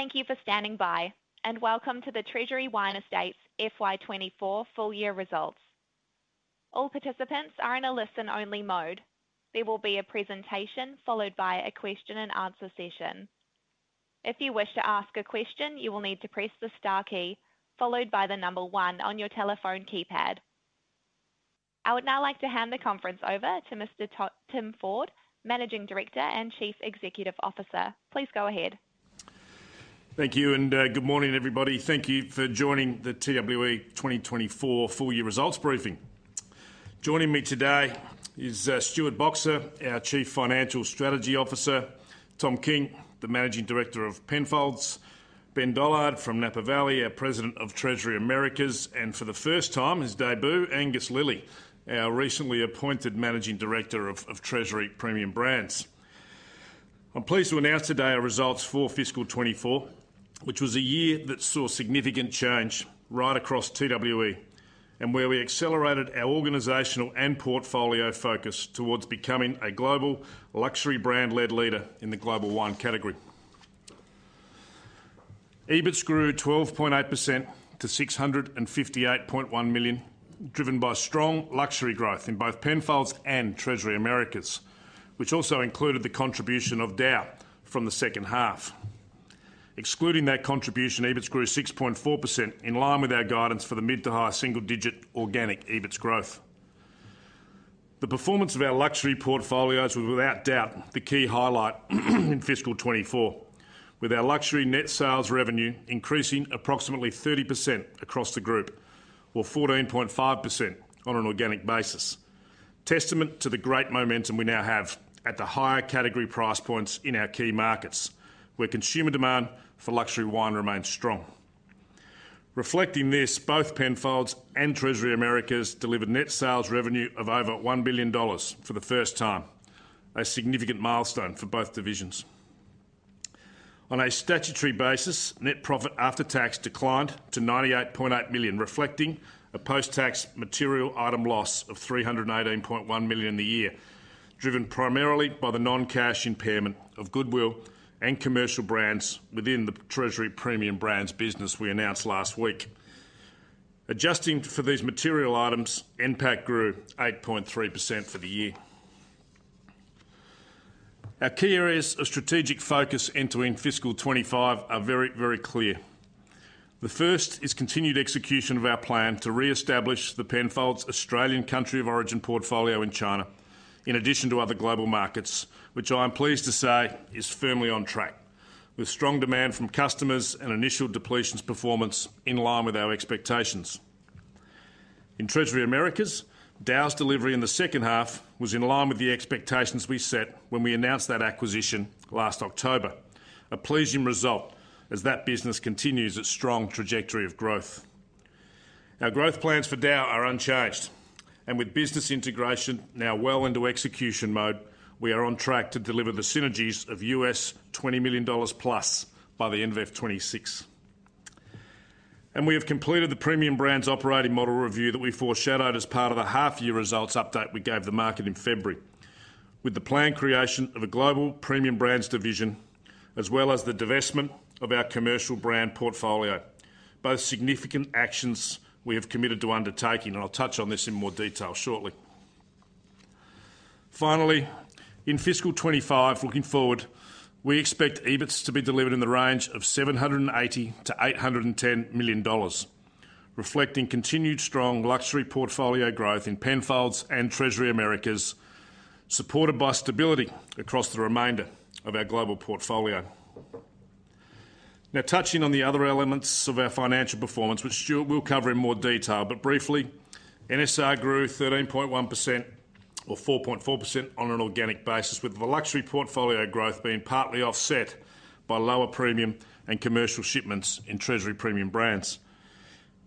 Thank you for standing by, and welcome to the Treasury Wine Estates FY24 full year results. All participants are in a listen-only mode. There will be a presentation, followed by a question-and-answer session. If you wish to ask a question, you will need to press the star key, followed by the number one on your telephone keypad. I would now like to hand the conference over to Mr. Tim Ford, Managing Director and Chief Executive Officer. Please go ahead. Thank you, and good morning, everybody. Thank you for joining the TWE 2024 full year results briefing. Joining me today is Stuart Boxer, our Chief Financial Strategy Officer, Tom King, the Managing Director of Penfolds, Ben Dollard from Napa Valley, our President of Treasury Americas, and for the first time, his debut, Angus Lilley, our recently appointed Managing Director of Treasury Premium Brands. I'm pleased to announce today our results for fiscal 2024, which was a year that saw significant change right across TWE, and where we accelerated our organizational and portfolio focus towards becoming a global luxury brand-led leader in the global wine category. EBITS grew 12.8% to 658.1 million, driven by strong luxury growth in both Penfolds and Treasury Americas, which also included the contribution of DAOU from the second half. Excluding that contribution, EBITS grew 6.4%, in line with our guidance for the mid- to high-single-digit organic EBITS growth. The performance of our luxury portfolios was without doubt the key highlight in fiscal 2024, with our luxury net sales revenue increasing approximately 30% across the group or 14.5% on an organic basis. Testament to the great momentum we now have at the higher category price points in our key markets, where consumer demand for luxury wine remains strong. Reflecting this, both Penfolds and Treasury Americas delivered net sales revenue of over $1 billion for the first time, a significant milestone for both divisions. On a statutory basis, net profit after tax declined to 98.8 million, reflecting a post-tax material item loss of 318.1 million in the year, driven primarily by the non-cash impairment of goodwill and commercial brands within the Treasury Premium Brands business we announced last week. Adjusting for these material items, NPAT grew 8.3% for the year. Our key areas of strategic focus entering Fiscal 2025 are very, very clear. The first is continued execution of our plan to reestablish the Penfolds Australian Country of Origin portfolio in China, in addition to other global markets, which I am pleased to say is firmly on track, with strong demand from customers and initial depletions performance in line with our expectations. In Treasury Americas, DAOU's delivery in the second half was in line with the expectations we set when we announced that acquisition last October, a pleasing result as that business continues its strong trajectory of growth. Our growth plans for DAOU are unchanged, and with business integration now well into execution mode, we are on track to deliver the synergies of $20 million plus by the end of 2026. We have completed the Premium Brands operating model review that we foreshadowed as part of the half-year results update we gave the market in February, with the planned creation of a global Premium Brands division, as well as the divestment of our commercial brand portfolio, both significant actions we have committed to undertaking, and I'll touch on this in more detail shortly. Finally, in fiscal 2025, looking forward, we expect EBITS to be delivered in the range of 780 million-810 million dollars, reflecting continued strong luxury portfolio growth in Penfolds and Treasury Americas, supported by stability across the remainder of our global portfolio. Now, touching on the other elements of our financial performance, which Stuart will cover in more detail, but briefly, NSR grew 13.1% or 4.4% on an organic basis, with the luxury portfolio growth being partly offset by lower premium and commercial shipments in Treasury Premium Brands.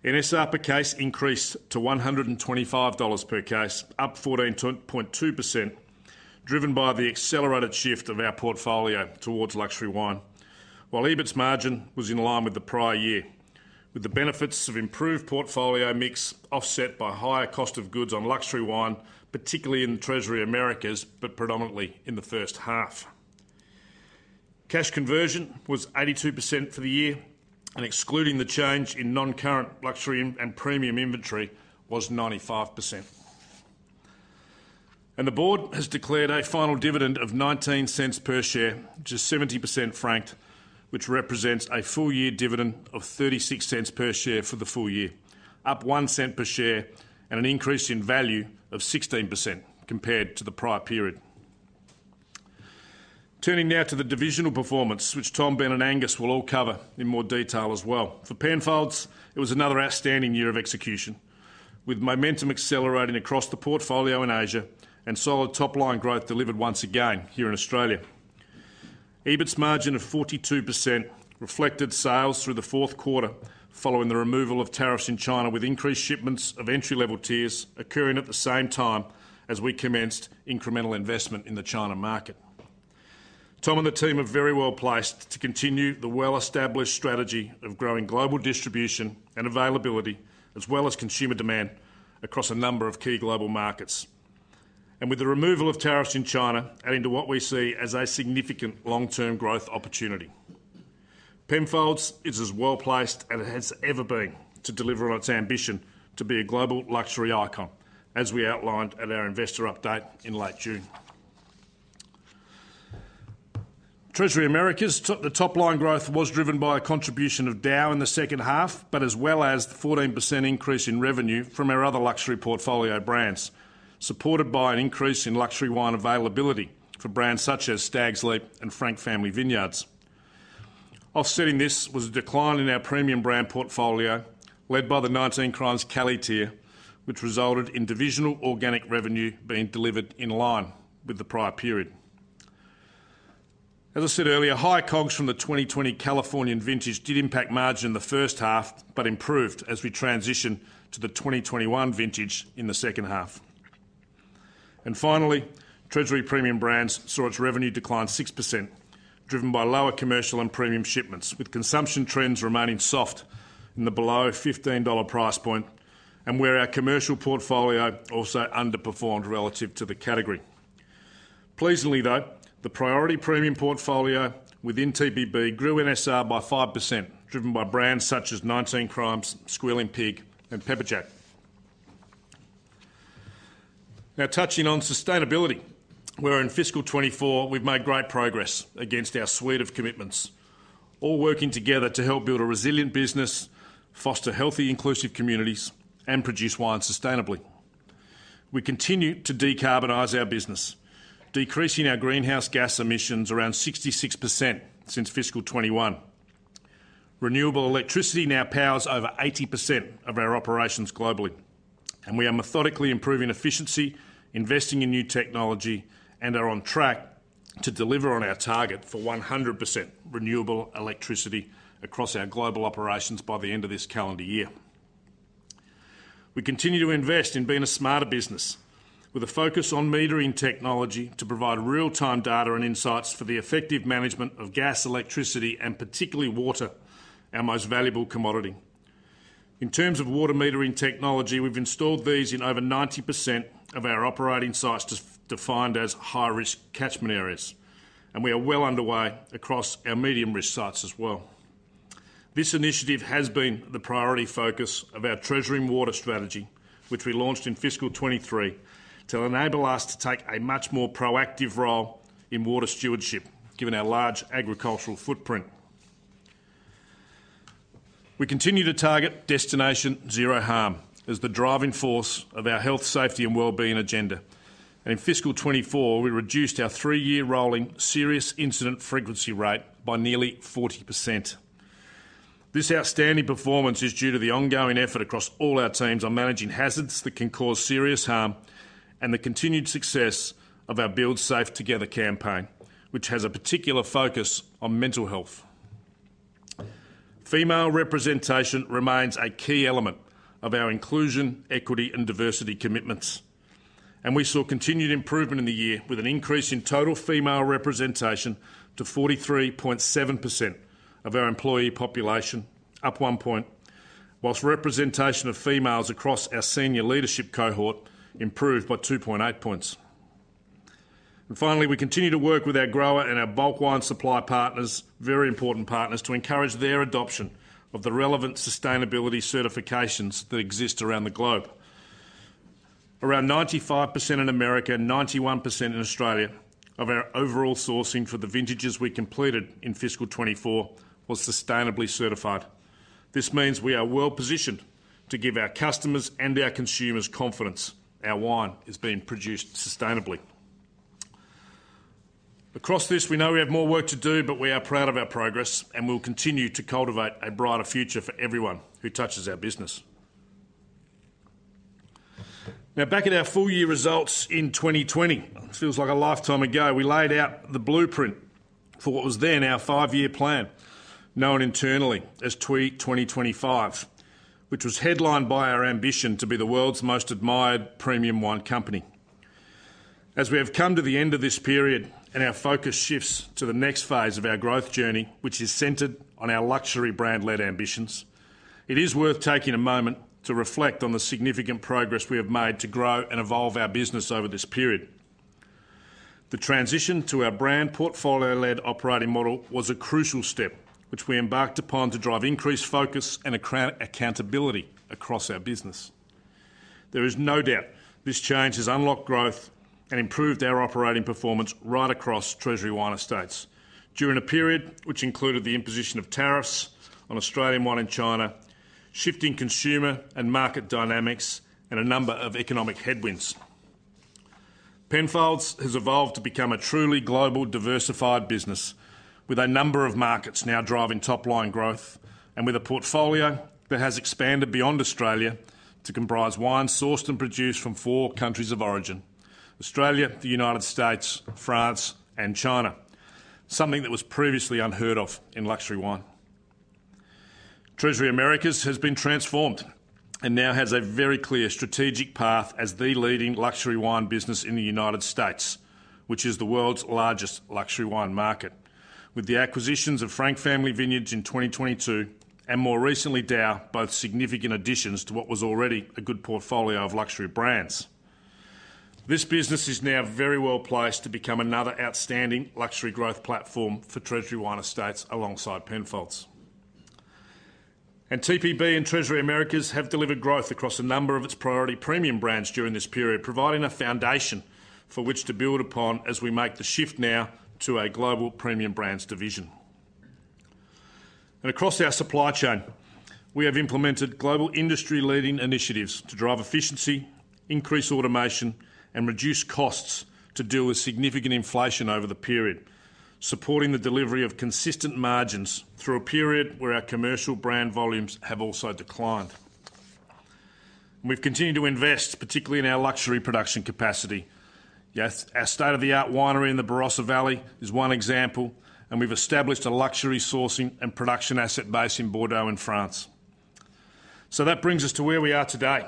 NSR per case increased to 125 dollars per case, up 14.2%, driven by the accelerated shift of our portfolio towards luxury wine. While EBITS margin was in line with the prior year, with the benefits of improved portfolio mix offset by higher cost of goods on luxury wine, particularly in the Treasury Americas, but predominantly in the first half. Cash conversion was 82% for the year, and excluding the change in non-current luxury and premium inventory was 95%. And the board has declared a final dividend of 0.19 per share, which is 70% franked, which represents a full year dividend of 0.36 per share for the full year, up 0.01 per share and an increase in value of 16% compared to the prior period. Turning now to the divisional performance, which Tom, Ben, and Angus will all cover in more detail as well. For Penfolds, it was another outstanding year of execution, with momentum accelerating across the portfolio in Asia and solid top-line growth delivered once again here in Australia. EBITS margin of 42% reflected sales through the fourth quarter, following the removal of tariffs in China, with increased shipments of entry-level tiers occurring at the same time as we commenced incremental investment in the China market. Tom and the team are very well-placed to continue the well-established strategy of growing global distribution and availability, as well as consumer demand across a number of key global markets.... and with the removal of tariffs in China, adding to what we see as a significant long-term growth opportunity. Penfolds is as well-placed as it has ever been to deliver on its ambition to be a global luxury icon, as we outlined at our investor update in late June. Treasury Americas, the top line growth was driven by a contribution of DAOU in the second half, but as well as the 14% increase in revenue from our other luxury portfolio brands, supported by an increase in luxury wine availability for brands such as Stags' Leap and Frank Family Vineyards. Offsetting this was a decline in our premium brand portfolio, led by the 19 Crimes Cali tier, which resulted in divisional organic revenue being delivered in line with the prior period. As I said earlier, high COGS from the 2020 Californian vintage did impact margin in the first half, but improved as we transitioned to the 2021 vintage in the second half. And finally, Treasury Premium Brands saw its revenue decline 6%, driven by lower commercial and premium shipments, with consumption trends remaining soft in the below $15 price point, and where our commercial portfolio also underperformed relative to the category. Pleasingly, though, the priority premium portfolio within TPB grew NSR by 5%, driven by brands such as 19 Crimes, Squealing Pig, and Pepperjack. Now, touching on sustainability, where in fiscal 2024, we've made great progress against our suite of commitments, all working together to help build a resilient business, foster healthy, inclusive communities, and produce wine sustainably. We continue to decarbonize our business, decreasing our greenhouse gas emissions around 66% since fiscal 2021. Renewable electricity now powers over 80% of our operations globally, and we are methodically improving efficiency, investing in new technology, and are on track to deliver on our target for 100% renewable electricity across our global operations by the end of this calendar year. We continue to invest in being a smarter business, with a focus on metering technology to provide real-time data and insights for the effective management of gas, electricity, and particularly water, our most valuable commodity. In terms of water metering technology, we've installed these in over 90% of our operating sites defined as high-risk catchment areas, and we are well underway across our medium-risk sites as well. This initiative has been the priority focus of our Treasury's Water strategy, which we launched in fiscal 2023, to enable us to take a much more proactive role in water stewardship, given our large agricultural footprint. We continue to target Destination Zero Harm as the driving force of our health, safety, and wellbeing agenda. In fiscal 2024, we reduced our three-year rolling serious incident frequency rate by nearly 40%. This outstanding performance is due to the ongoing effort across all our teams on managing hazards that can cause serious harm and the continued success of our Build Safe Together campaign, which has a particular focus on mental health. Female representation remains a key element of our inclusion, equity, and diversity commitments, and we saw continued improvement in the year with an increase in total female representation to 43.7% of our employee population, up 1 point, whilst representation of females across our senior leadership cohort improved by 2.8 points. And finally, we continue to work with our grower and our bulk wine supply partners, very important partners, to encourage their adoption of the relevant sustainability certifications that exist around the globe. Around 95% in America and 91% in Australia of our overall sourcing for the vintages we completed in fiscal 2024 was sustainably certified. This means we are well-positioned to give our customers and our consumers confidence our wine is being produced sustainably. Across this, we know we have more work to do, but we are proud of our progress, and we'll continue to cultivate a brighter future for everyone who touches our business. Now, back at our full year results in 2020, it feels like a lifetime ago, we laid out the blueprint for what was then our five-year plan, known internally as TWE 2025, which was headlined by our ambition to be the world's most admired premium wine company. As we have come to the end of this period and our focus shifts to the next phase of our growth journey, which is centered on our luxury brand-led ambitions, it is worth taking a moment to reflect on the significant progress we have made to grow and evolve our business over this period. The transition to our brand portfolio-led operating model was a crucial step, which we embarked upon to drive increased focus and accountability across our business. There is no doubt this change has unlocked growth and improved our operating performance right across Treasury Wine Estates during a period which included the imposition of tariffs on Australian wine in China, shifting consumer and market dynamics, and a number of economic headwinds. Penfolds has evolved to become a truly global, diversified business, with a number of markets now driving top-line growth and with a portfolio that has expanded beyond Australia to comprise wine sourced and produced from four countries of origin: Australia, the United States, France, and China. Something that was previously unheard of in luxury wine. Treasury Americas has been transformed and now has a very clear strategic path as the leading luxury wine business in the United States. which is the world's largest luxury wine market. With the acquisitions of Frank Family Vineyards in 2022, and more recently, DAOU, both significant additions to what was already a good portfolio of luxury brands. This business is now very well-placed to become another outstanding luxury growth platform for Treasury Wine Estates, alongside Penfolds. And TPB and Treasury Americas have delivered growth across a number of its priority premium brands during this period, providing a foundation for which to build upon as we make the shift now to a global premium brands division. And across our supply chain, we have implemented global industry-leading initiatives to drive efficiency, increase automation, and reduce costs to deal with significant inflation over the period, supporting the delivery of consistent margins through a period where our commercial brand volumes have also declined. And we've continued to invest, particularly in our luxury production capacity. Yes, our state-of-the-art winery in the Barossa Valley is one example, and we've established a luxury sourcing and production asset base in Bordeaux in France. So that brings us to where we are today,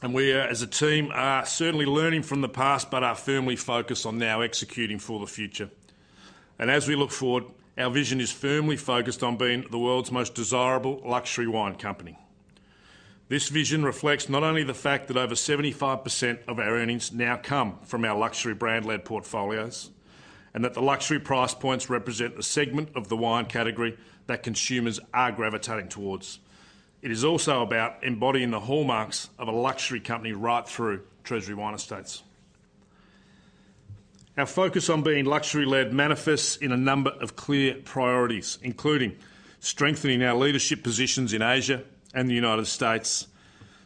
and we, as a team, are certainly learning from the past, but are firmly focused on now executing for the future. As we look forward, our vision is firmly focused on being the world's most desirable luxury wine company. This vision reflects not only the fact that over 75% of our earnings now come from our luxury brand-led portfolios, and that the luxury price points represent a segment of the wine category that consumers are gravitating toward. It is also about embodying the hallmarks of a luxury company right through Treasury Wine Estates. Our focus on being luxury-led manifests in a number of clear priorities, including strengthening our leadership positions in Asia and the United States,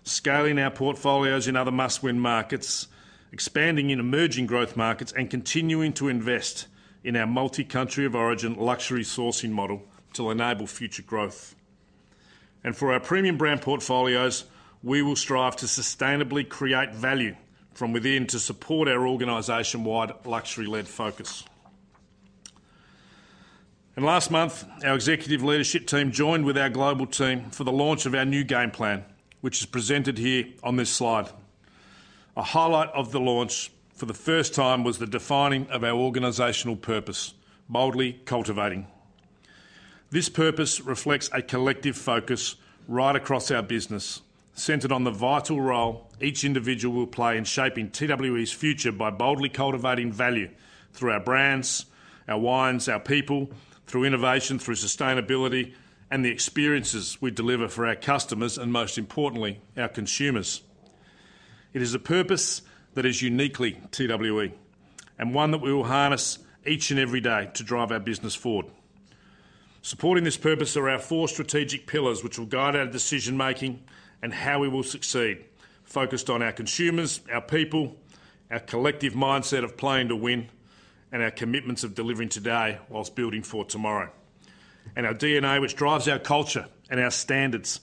scaling our portfolios in other must-win markets, expanding in emerging growth markets, and continuing to invest in our multi-country of origin luxury sourcing model to enable future growth. For our premium brand portfolios, we will strive to sustainably create value from within to support our organization-wide luxury-led focus. Last month, our executive leadership team joined with our global team for the launch of our new game plan, which is presented here on this slide. A highlight of the launch, for the first time, was the defining of our organizational purpose, Boldly Cultivating. This purpose reflects a collective focus right across our business, centered on the vital role each individual will play in shaping TWE's future by boldly cultivating value through our brands, our wines, our people, through innovation, through sustainability, and the experiences we deliver for our customers, and most importantly, our consumers. It is a purpose that is uniquely TWE, and one that we will harness each and every day to drive our business forward. Supporting this purpose are our four strategic pillars, which will guide our decision-making and how we will succeed, focused on our consumers, our people, our collective mindset of playing to win, and our commitments of delivering today whilst building for tomorrow. Our DNA, which drives our culture and our standards,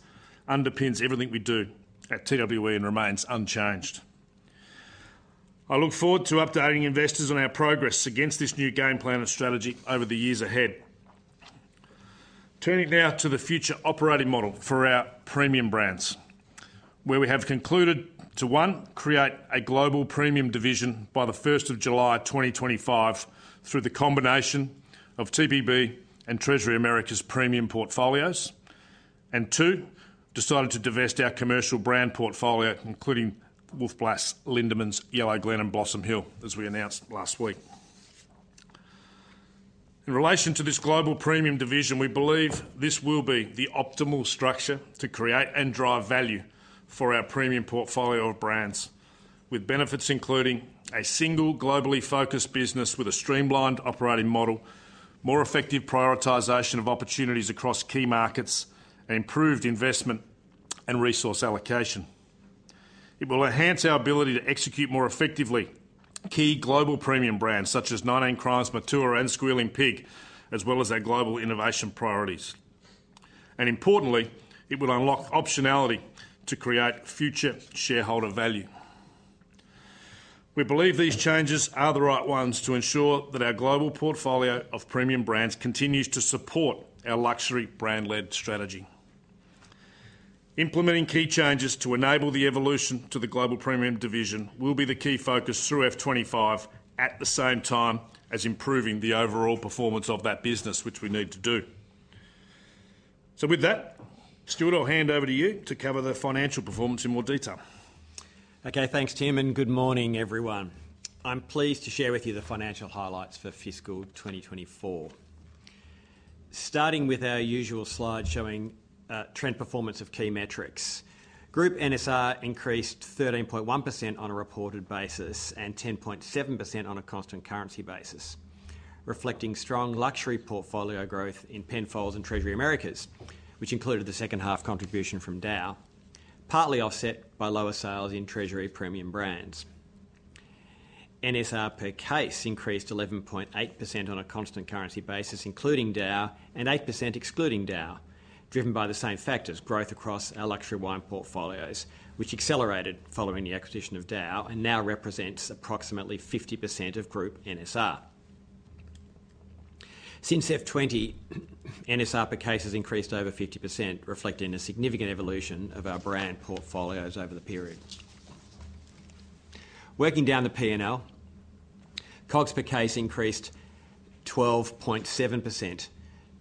underpins everything we do at TWE and remains unchanged. I look forward to updating investors on our progress against this new game plan and strategy over the years ahead. Turning now to the future operating model for our premium brands, where we have concluded to, one, create a global premium division by the first of July 2025, through the combination of TPB and Treasury Americas premium portfolios. And two, decided to divest our commercial brand portfolio, including Wolf Blass, Lindeman's, Yellowglen, and Blossom Hill, as we announced last week. In relation to this global premium division, we believe this will be the optimal structure to create and drive value for our premium portfolio of brands, with benefits including a single globally focused business with a streamlined operating model, more effective prioritization of opportunities across key markets, and improved investment and resource allocation. It will enhance our ability to execute more effectively key global premium brands such as 19 Crimes, Matua, and Squealing Pig, as well as our global innovation priorities. Importantly, it will unlock optionality to create future shareholder value. We believe these changes are the right ones to ensure that our global portfolio of premium brands continues to support our luxury brand-led strategy. Implementing key changes to enable the evolution to the Global Premium Division will be the key focus through Fiscal 2025, at the same time as improving the overall performance of that business, which we need to do. With that, Stuart, I'll hand over to you to cover the financial performance in more detail. Okay, thanks, Tim, and good morning, everyone. I'm pleased to share with you the financial highlights for fiscal 2024. Starting with our usual slide showing trend performance of key metrics. Group NSR increased 13.1% on a reported basis and 10.7% on a constant currency basis, reflecting strong luxury portfolio growth in Penfolds and Treasury Americas, which included the second half contribution from DAOU, partly offset by lower sales in Treasury premium brands. NSR per case increased 11.8% on a constant currency basis, including DAOU, and 8% excluding DAOU, driven by the same factors: growth across our luxury wine portfolios, which accelerated following the acquisition of DAOU and now represents approximately 50% of group NSR. Since F20, NSR per case has increased over 50%, reflecting a significant evolution of our brand portfolios over the period. Working down the P&L, COGS per case increased 12.7%,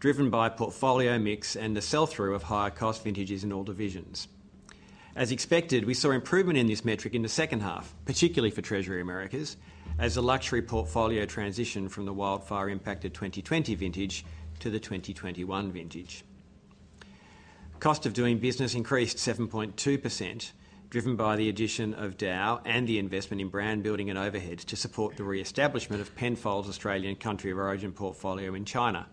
driven by portfolio mix and the sell-through of higher cost vintages in all divisions. As expected, we saw improvement in this metric in the second half, particularly for Treasury Americas, as the luxury portfolio transitioned from the wildfire impacted 2020 vintage to the 2021 vintage. Cost of doing business increased 7.2%, driven by the addition of DAOU and the investment in brand building and overhead to support the reestablishment of Penfolds Australian country of origin portfolio in China.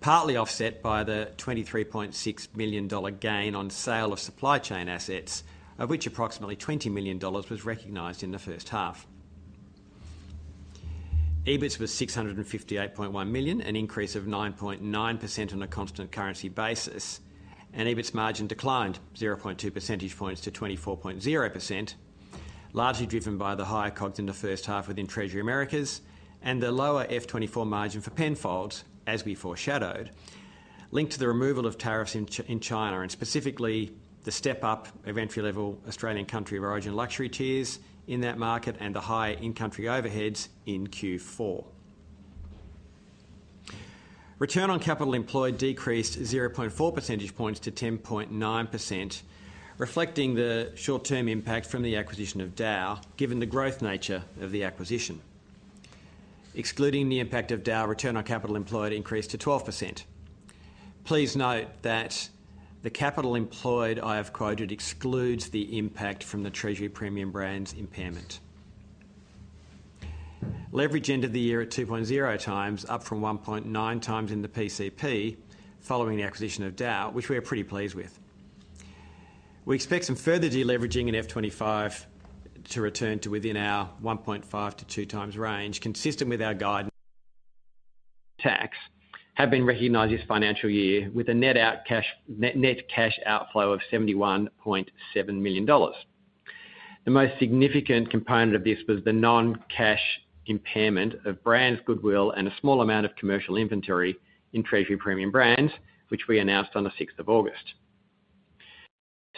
Partly offset by the 23.6 million dollar gain on sale of supply chain assets, of which approximately 20 million dollars was recognized in the first half. EBITS was 658.1 million, an increase of 9.9% on a constant currency basis, and EBITS margin declined 0.2 percentage points to 24.0%, largely driven by the higher COGS in the first half within Treasury Americas and the lower FY24 margin for Penfolds, as we foreshadowed, linked to the removal of tariffs in China, and specifically the step up of entry-level Australian country of origin luxury tiers in that market and the higher in-country overheads in Q4. Return on capital employed decreased 0.4 percentage points to 10.9%, reflecting the short-term impact from the acquisition of DAOU, given the growth nature of the acquisition. Excluding the impact of DAOU, return on capital employed increased to 12%. Please note that the capital employed, I have quoted, excludes the impact from the Treasury Premium Brands impairment. Leverage ended the year at 2.0 times, up from 1.9 times in the PCP, following the acquisition of DAOU, which we are pretty pleased with. We expect some further deleveraging in FY 2025 to return to within our 1.5-2 times range, consistent with our guidance. Taxes have been recognized this financial year with a net cash outflow of 71.7 million dollars. The most significant component of this was the non-cash impairment of brands, goodwill and a small amount of commercial inventory in Treasury Premium Brands, which we announced on the sixth of August.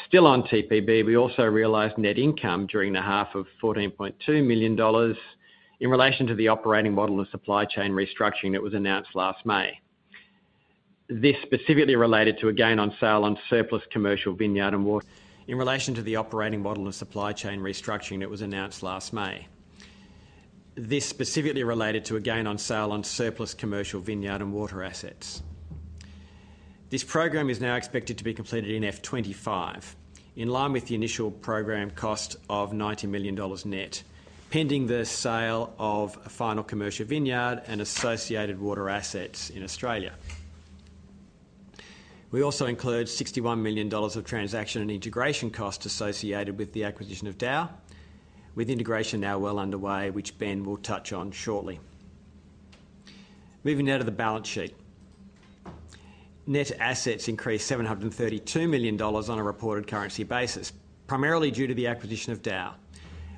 Still on TPB, we also realized net income during the half of 14.2 million dollars in relation to the operating model and supply chain restructuring that was announced last May. This specifically related to a gain on sale of surplus commercial vineyard and water assets. This program is now expected to be completed in Fiscal 2025, in line with the initial program cost of 90 million dollars net, pending the sale of a final commercial vineyard and associated water assets in Australia. We also included 61 million dollars of transaction and integration costs associated with the acquisition of DAOU, with integration now well underway, which Ben will touch on shortly. Moving now to the balance sheet. Net assets increased 732 million dollars on a reported currency basis, primarily due to the acquisition of DAOU,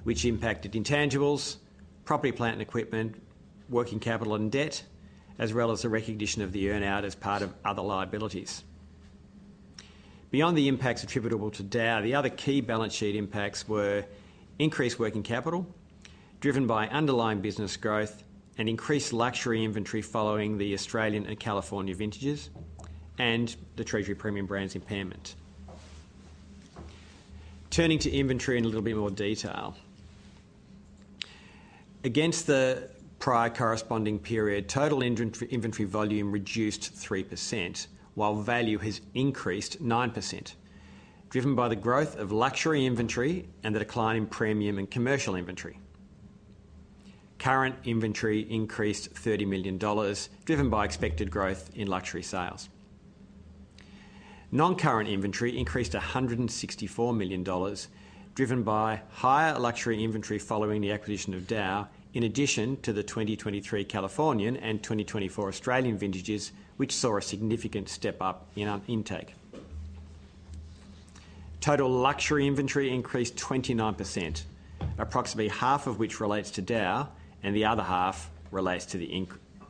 which impacted intangibles, property, plant, and equipment, working capital and debt, as well as the recognition of the earn-out as part of other liabilities. Beyond the impacts attributable to DAOU, the other key balance sheet impacts were increased working capital, driven by underlying business growth and increased luxury inventory following the Australian and California vintages and the Treasury Premium Brands impairment. Turning to inventory in a little bit more detail. Against the prior corresponding period, total inventory volume reduced 3%, while value has increased 9%, driven by the growth of luxury inventory and the decline in premium and commercial inventory. Current inventory increased 30 million dollars, driven by expected growth in luxury sales. Non-current inventory increased 164 million dollars, driven by higher luxury inventory following the acquisition of DAOU, in addition to the 2023 Californian and 2024 Australian vintages, which saw a significant step-up in intake. Total luxury inventory increased 29%, approximately half of which relates to DAOU and the other half relates to the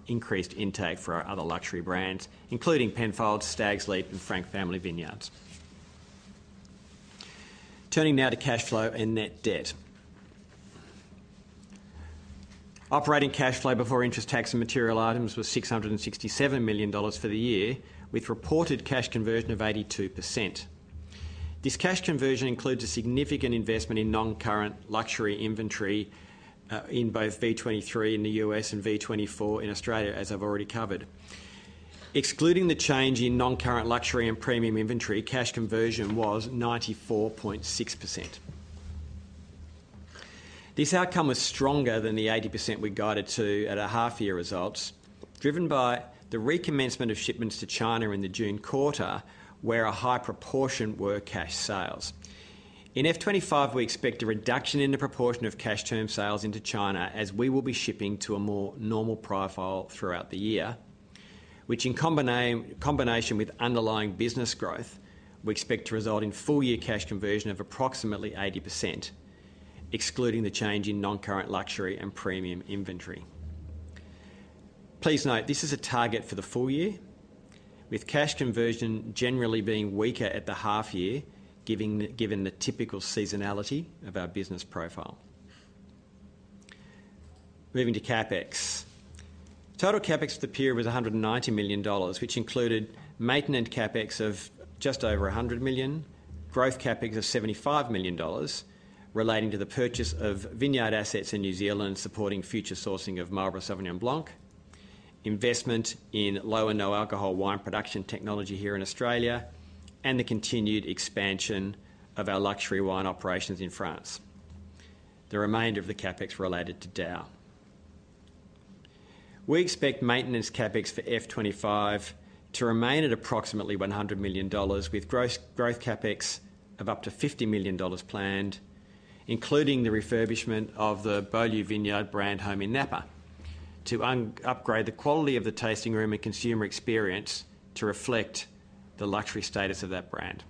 increased intake for our other luxury brands, including Penfolds, Stags' Leap, and Frank Family Vineyards. Turning now to cash flow and net debt. Operating cash flow before interest, tax, and material items was 667 million dollars for the year, with reported cash conversion of 82%. This cash conversion includes a significant investment in non-current luxury inventory in both V 2023 in the US and V 2024 in Australia, as I've already covered. Excluding the change in non-current luxury and premium inventory, cash conversion was 94.6%. This outcome was stronger than the 80% we guided to at our half-year results, driven by the recommencement of shipments to China in the June quarter, where a high proportion were cash sales. In FY 2025, we expect a reduction in the proportion of cash term sales into China, as we will be shipping to a more normal profile throughout the year, which in combination with underlying business growth, we expect to result in full year cash conversion of approximately 80% excluding the change in non-current luxury and premium inventory. Please note, this is a target for the full year, with cash conversion generally being weaker at the half year, given the typical seasonality of our business profile. Moving to CapEx. Total CapEx for the period was 190 million dollars, which included maintenance CapEx of just over 100 million, growth CapEx of 75 million dollars relating to the purchase of vineyard assets in New Zealand, supporting future sourcing of Marlborough Sauvignon Blanc, investment in low and no alcohol wine production technology here in Australia, and the continued expansion of our luxury wine operations in France. The remainder of the CapEx related to DAOU. We expect maintenance CapEx for FY 2025 to remain at approximately 100 million dollars, with gross growth CapEx of up to 50 million dollars planned, including the refurbishment of the Beaulieu Vineyard brand home in Napa, to upgrade the quality of the tasting room and consumer experience to reflect the luxury status of that brand.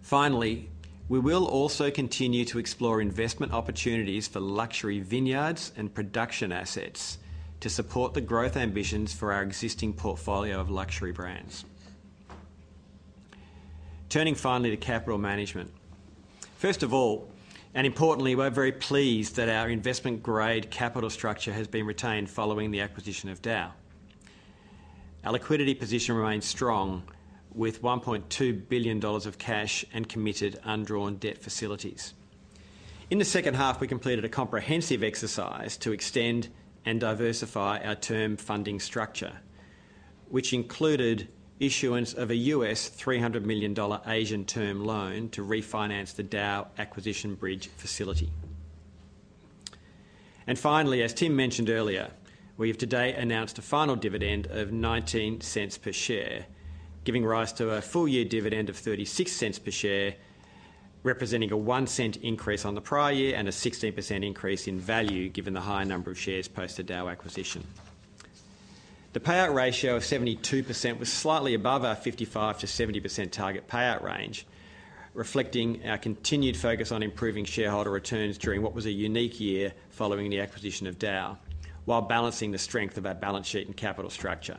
Finally, we will also continue to explore investment opportunities for luxury vineyards and production assets to support the growth ambitions for our existing portfolio of luxury brands. Turning finally to capital management. First of all, and importantly, we're very pleased that our investment-grade capital structure has been retained following the acquisition of DAOU. Our liquidity position remains strong, with $1.2 billion of cash and committed undrawn debt facilities. In the second half, we completed a comprehensive exercise to extend and diversify our term funding structure, which included issuance of a US $300 million Asian term loan to refinance the DAOU acquisition bridge facility. Finally, as Tim mentioned earlier, we have today announced a final dividend of 0.19 per share, giving rise to a full year dividend of 0.36 per share, representing a 0.01 increase on the prior year and a 16% increase in value, given the higher number of shares post the DAOU acquisition. The payout ratio of 72% was slightly above our 55%-70% target payout range, reflecting our continued focus on improving shareholder returns during what was a unique year following the acquisition of DAOU, while balancing the strength of our balance sheet and capital structure.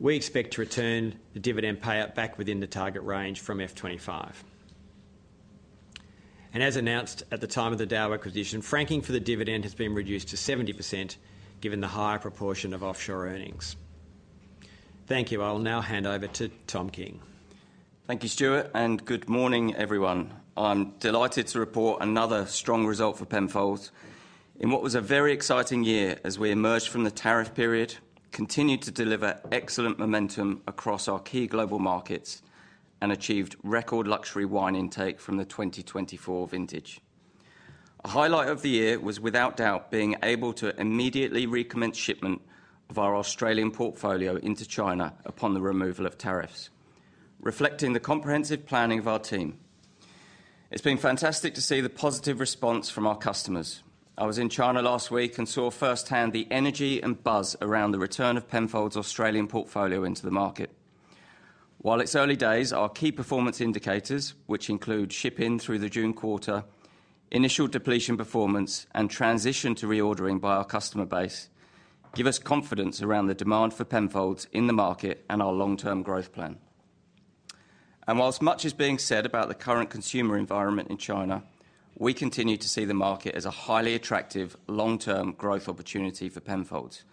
We expect to return the dividend payout back within the target range from FY 2025. As announced at the time of the DAOU acquisition, franking for the dividend has been reduced to 70%, given the higher proportion of offshore earnings. Thank you. I'll now hand over to Tom King. Thank you, Stuart, and good morning, everyone. I'm delighted to report another strong result for Penfolds in what was a very exciting year as we emerged from the tariff period, continued to deliver excellent momentum across our key global markets, and achieved record luxury wine intake from the 2024 vintage. A highlight of the year was without doubt, being able to immediately recommence shipment of our Australian portfolio into China upon the removal of tariffs, reflecting the comprehensive planning of our team. It's been fantastic to see the positive response from our customers. I was in China last week and saw firsthand the energy and buzz around the return of Penfolds Australian portfolio into the market. While it's early days, our key performance indicators, which include ship in through the June quarter, initial depletion performance, and transition to reordering by our customer base, give us confidence around the demand for Penfolds in the market and our long-term growth plan. While much is being said about the current consumer environment in China, we continue to see the market as a highly attractive, long-term growth opportunity for Penfolds,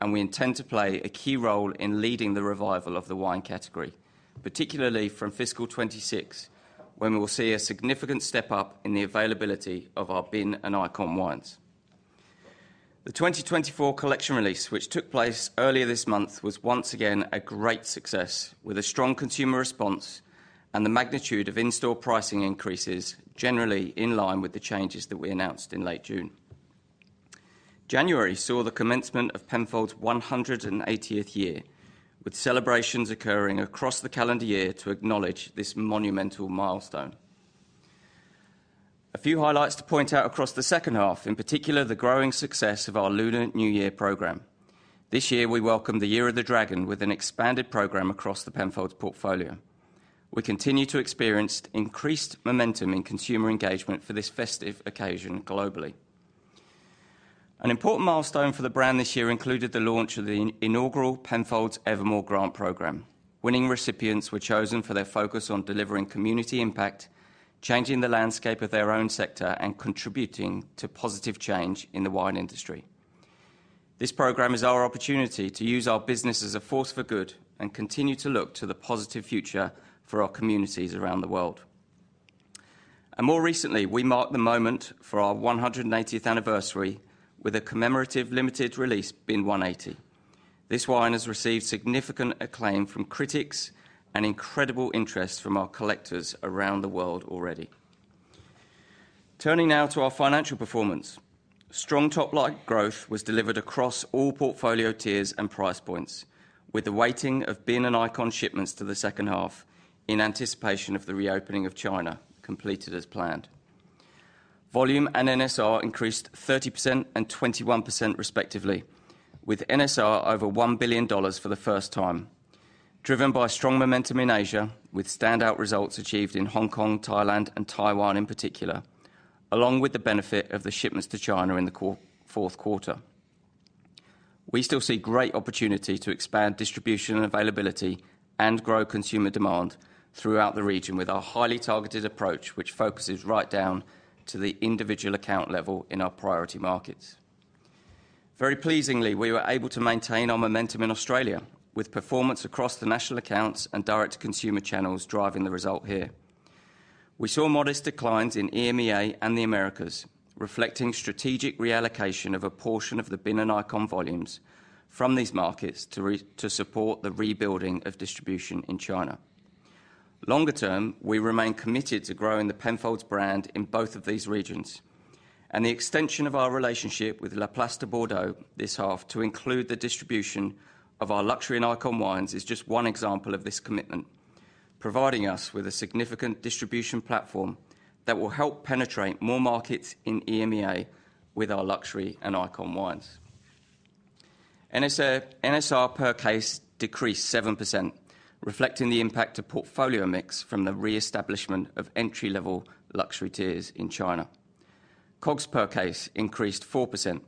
and we intend to play a key role in leading the revival of the wine category, particularly from Fiscal 2026, when we will see a significant step up in the availability of our Bin and Icon wines. The 2024 collection release, which took place earlier this month, was once again a great success, with a strong consumer response and the magnitude of in-store pricing increases generally in line with the changes that we announced in late June. January saw the commencement of Penfolds' 180th year, with celebrations occurring across the calendar year to acknowledge this monumental milestone. A few highlights to point out across the second half, in particular, the growing success of our Lunar New Year program. This year, we welcomed the Year of the Dragon with an expanded program across the Penfolds portfolio. We continue to experience increased momentum in consumer engagement for this festive occasion globally. An important milestone for the brand this year included the launch of the inaugural Penfolds Evermore Grant program. Winning recipients were chosen for their focus on delivering community impact, changing the landscape of their own sector, and contributing to positive change in the wine industry. This program is our opportunity to use our business as a force for good and continue to look to the positive future for our communities around the world. More recently, we marked the moment for our 180th anniversary with a commemorative limited release, Bin 180. This wine has received significant acclaim from critics and incredible interest from our collectors around the world already. Turning now to our financial performance. Strong top line growth was delivered across all portfolio tiers and price points, with the weighting of Bin and Icon shipments to the second half in anticipation of the reopening of China, completed as planned.... Volume and NSR increased 30% and 21% respectively, with NSR over 1 billion dollars for the first time, driven by strong momentum in Asia, with standout results achieved in Hong Kong, Thailand, and Taiwan in particular, along with the benefit of the shipments to China in the fourth quarter. We still see great opportunity to expand distribution and availability and grow consumer demand throughout the region with our highly targeted approach, which focuses right down to the individual account level in our priority markets. Very pleasingly, we were able to maintain our momentum in Australia, with performance across the national accounts and direct consumer channels driving the result here. We saw modest declines in EMEA and the Americas, reflecting strategic reallocation of a portion of the Bin and Icon volumes from these markets to support the rebuilding of distribution in China. Longer term, we remain committed to growing the Penfolds brand in both of these regions, and the extension of our relationship with La Place de Bordeaux this half to include the distribution of our luxury and Icon wines, is just one example of this commitment, providing us with a significant distribution platform that will help penetrate more markets in EMEA with our luxury and Icon wines. NSR per case decreased 7%, reflecting the impact of portfolio mix from the reestablishment of entry-level luxury tiers in China. COGS per case increased 4%,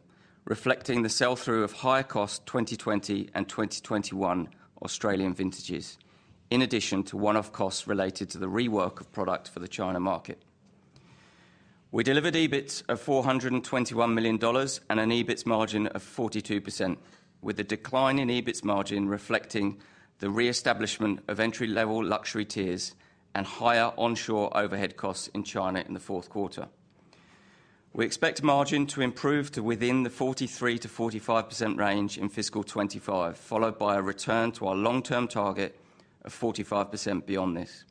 reflecting the sell-through of higher cost 2020 and 2021 Australian vintages, in addition to one-off costs related to the rework of product for the China market. We delivered EBITS of 421 million dollars and an EBITS margin of 42%, with a decline in EBITS margin reflecting the reestablishment of entry-level luxury tiers and higher onshore overhead costs in China in the fourth quarter. We expect margin to improve to within the 43%-45% range in fiscal 2025, followed by a return to our long-term target of 45% beyond this,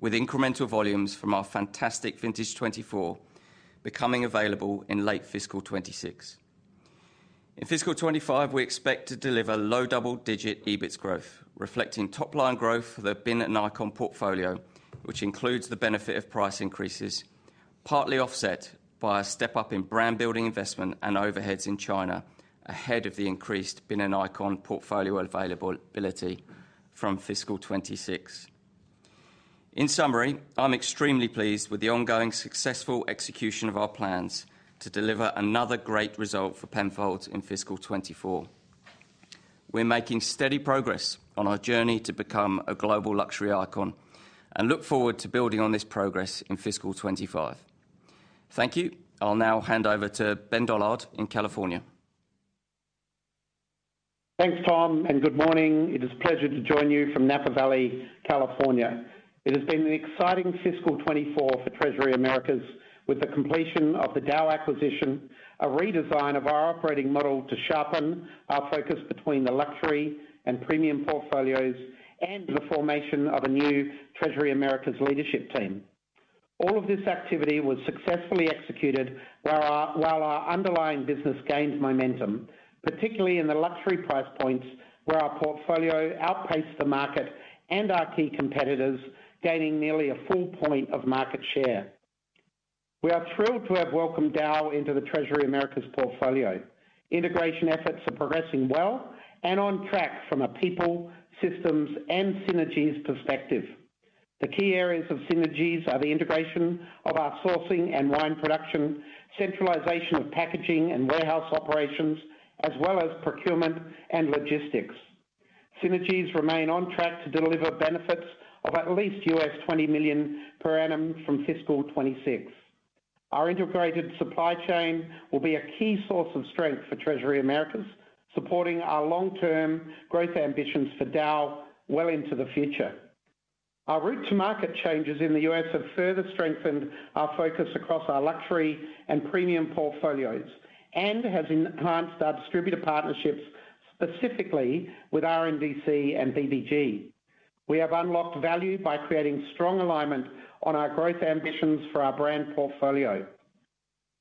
with incremental volumes from our fantastic vintage 2024 becoming available in late Fiscal 2026. In fiscal 2025, we expect to deliver low double-digit EBITS growth, reflecting top-line growth for the Bin and Icon portfolio, which includes the benefit of price increases, partly offset by a step-up in brand building investment and overheads in China, ahead of the increased Bin and Icon portfolio availability from Fiscal 2026. In summary, I'm extremely pleased with the ongoing successful execution of our plans to deliver another great result for Penfolds in Fiscal 2024. We're making steady progress on our journey to become a global luxury icon and look forward to building on this progress in Fiscal 2025. Thank you. I'll now hand over to Ben Dollard in California. Thanks, Tom, and good morning. It is a pleasure to join you from Napa Valley, California. It has been an exciting fiscal 2024 for Treasury Americas, with the completion of the DAOU acquisition, a redesign of our operating model to sharpen our focus between the luxury and premium portfolios, and the formation of a new Treasury Americas leadership team. All of this activity was successfully executed while our underlying business gained momentum, particularly in the luxury price points, where our portfolio outpaced the market and our key competitors, gaining nearly a full point of market share. We are thrilled to have welcomed DAOU into the Treasury Americas portfolio. Integration efforts are progressing well and on track from a people, systems, and synergies perspective. The key areas of synergies are the integration of our sourcing and wine production, centralization of packaging and warehouse operations, as well as procurement and logistics. Synergies remain on track to deliver benefits of at least $20 million per annum from Fiscal 2026. Our integrated supply chain will be a key source of strength for Treasury Americas, supporting our long-term growth ambitions for DAOU well into the future. Our route to market changes in the U.S. have further strengthened our focus across our luxury and premium portfolios and has enhanced our distributor partnerships, specifically with RNDC and BBG. We have unlocked value by creating strong alignment on our growth ambitions for our brand portfolio.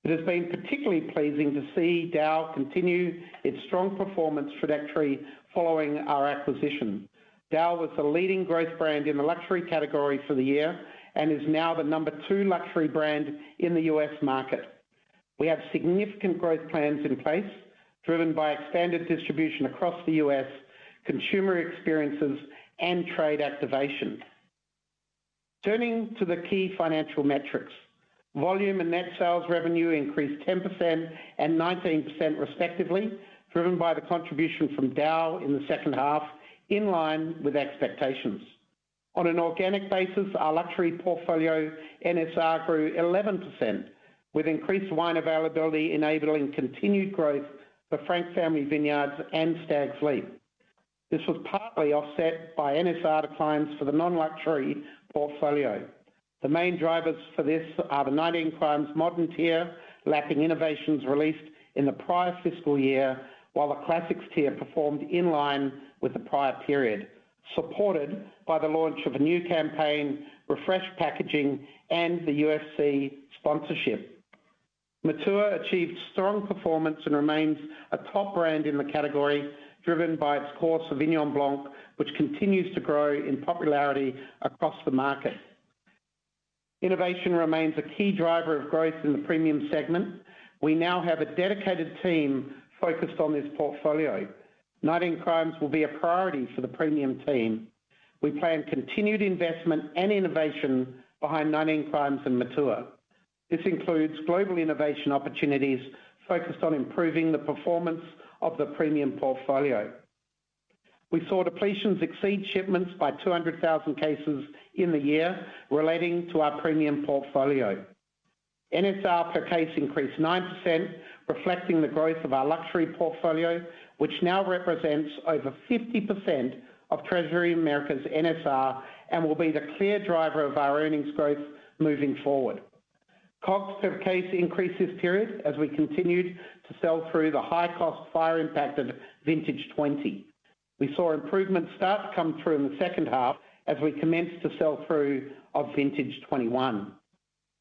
It has been particularly pleasing to see DAOU continue its strong performance trajectory following our acquisition. DAOU was the leading growth brand in the luxury category for the year and is now the number 2 luxury brand in the U.S. market. We have significant growth plans in place, driven by expanded distribution across the U.S., consumer experiences, and trade activation. Turning to the key financial metrics. Volume and net sales revenue increased 10% and 19% respectively, driven by the contribution from DAOU in the second half, in line with expectations. On an organic basis, our luxury portfolio NSR grew 11%, with increased wine availability enabling continued growth for Frank Family Vineyards and Stags' Leap. This was partly offset by NSR declines for the non-luxury portfolio. The main drivers for this are the declining 19 Crimes modern tier, lacking innovations released in the prior fiscal year, while the classics tier performed in line with the prior period, supported by the launch of a new campaign, refreshed packaging, and the UFC sponsorship. Matua achieved strong performance and remains a top brand in the category, driven by its core Sauvignon Blanc, which continues to grow in popularity across the market. Innovation remains a key driver of growth in the premium segment. We now have a dedicated team focused on this portfolio. 19 Crimes will be a priority for the premium team. We plan continued investment and innovation behind 19 Crimes and Matua. This includes global innovation opportunities focused on improving the performance of the premium portfolio. We saw depletions exceed shipments by 200,000 cases in the year relating to our premium portfolio. NSR per case increased 9%, reflecting the growth of our luxury portfolio, which now represents over 50% of Treasury Americas' NSR and will be the clear driver of our earnings growth moving forward. COGS per case increased this period as we continued to sell through the high-cost fire-impacted vintage 2020. We saw improvements start to come through in the second half as we commenced the sell-through of vintage 2021.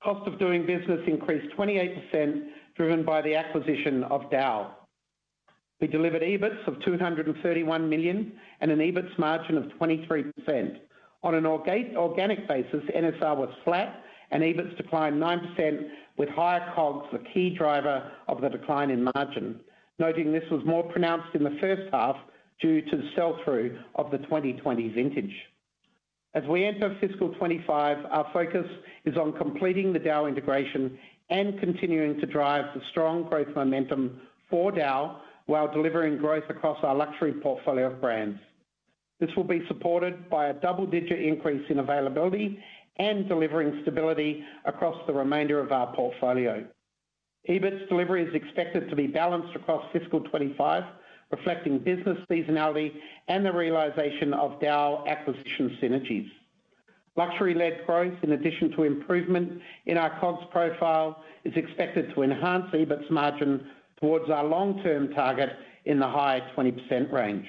Cost of doing business increased 28%, driven by the acquisition of DAOU. We delivered EBITS of 231 million and an EBITS margin of 23%. On an organic basis, NSR was flat and EBITS declined 9%, with higher COGS the key driver of the decline in margin, noting this was more pronounced in the first half due to the sell-through of the 2020 vintage. As we enter Fiscal 2025, our focus is on completing the DAOU integration and continuing to drive the strong growth momentum for DAOU, while delivering growth across our luxury portfolio of brands. This will be supported by a double-digit increase in availability and delivering stability across the remainder of our portfolio. EBITS delivery is expected to be balanced across Fiscal 2025, reflecting business seasonality and the realization of DAOU acquisition synergies. Luxury-led growth, in addition to improvement in our COGS profile, is expected to enhance EBITS margin towards our long-term target in the high 20% range.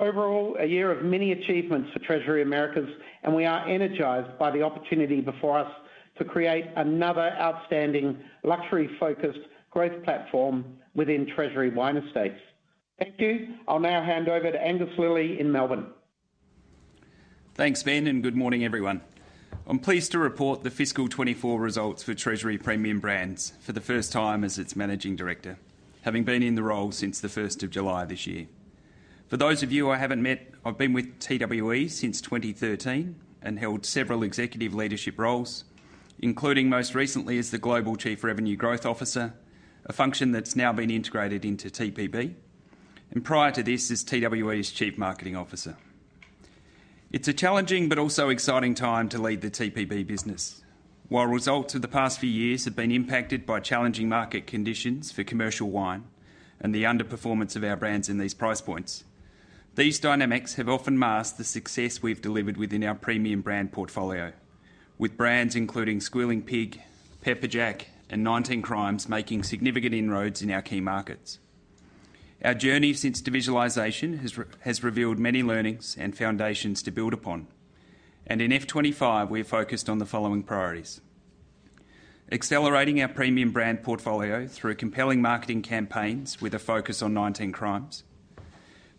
Overall, a year of many achievements for Treasury Americas, and we are energized by the opportunity before us to create another outstanding luxury-focused growth platform within Treasury Wine Estates. Thank you. I'll now hand over to Angus Lilley in Melbourne. Thanks, Ben, and good morning, everyone. I'm pleased to report the fiscal 2024 results for Treasury Premium Brands for the first time as its managing director, having been in the role since July 1 this year. For those of you I haven't met, I've been with TWE since 2013 and held several executive leadership roles, including most recently as the Global Chief Revenue Growth Officer, a function that's now been integrated into TPB, and prior to this, as TWE's Chief Marketing Officer. It's a challenging but also exciting time to lead the TPB business. While results of the past few years have been impacted by challenging market conditions for commercial wine and the underperformance of our brands in these price points, these dynamics have often masked the success we've delivered within our premium brand portfolio, with brands including Squealing Pig, Pepperjack, and 19 Crimes making significant inroads in our key markets. Our journey since devisualization has revealed many learnings and foundations to build upon, and in Fiscal 2025, we are focused on the following priorities: Accelerating our premium brand portfolio through compelling marketing campaigns with a focus on 19 Crimes.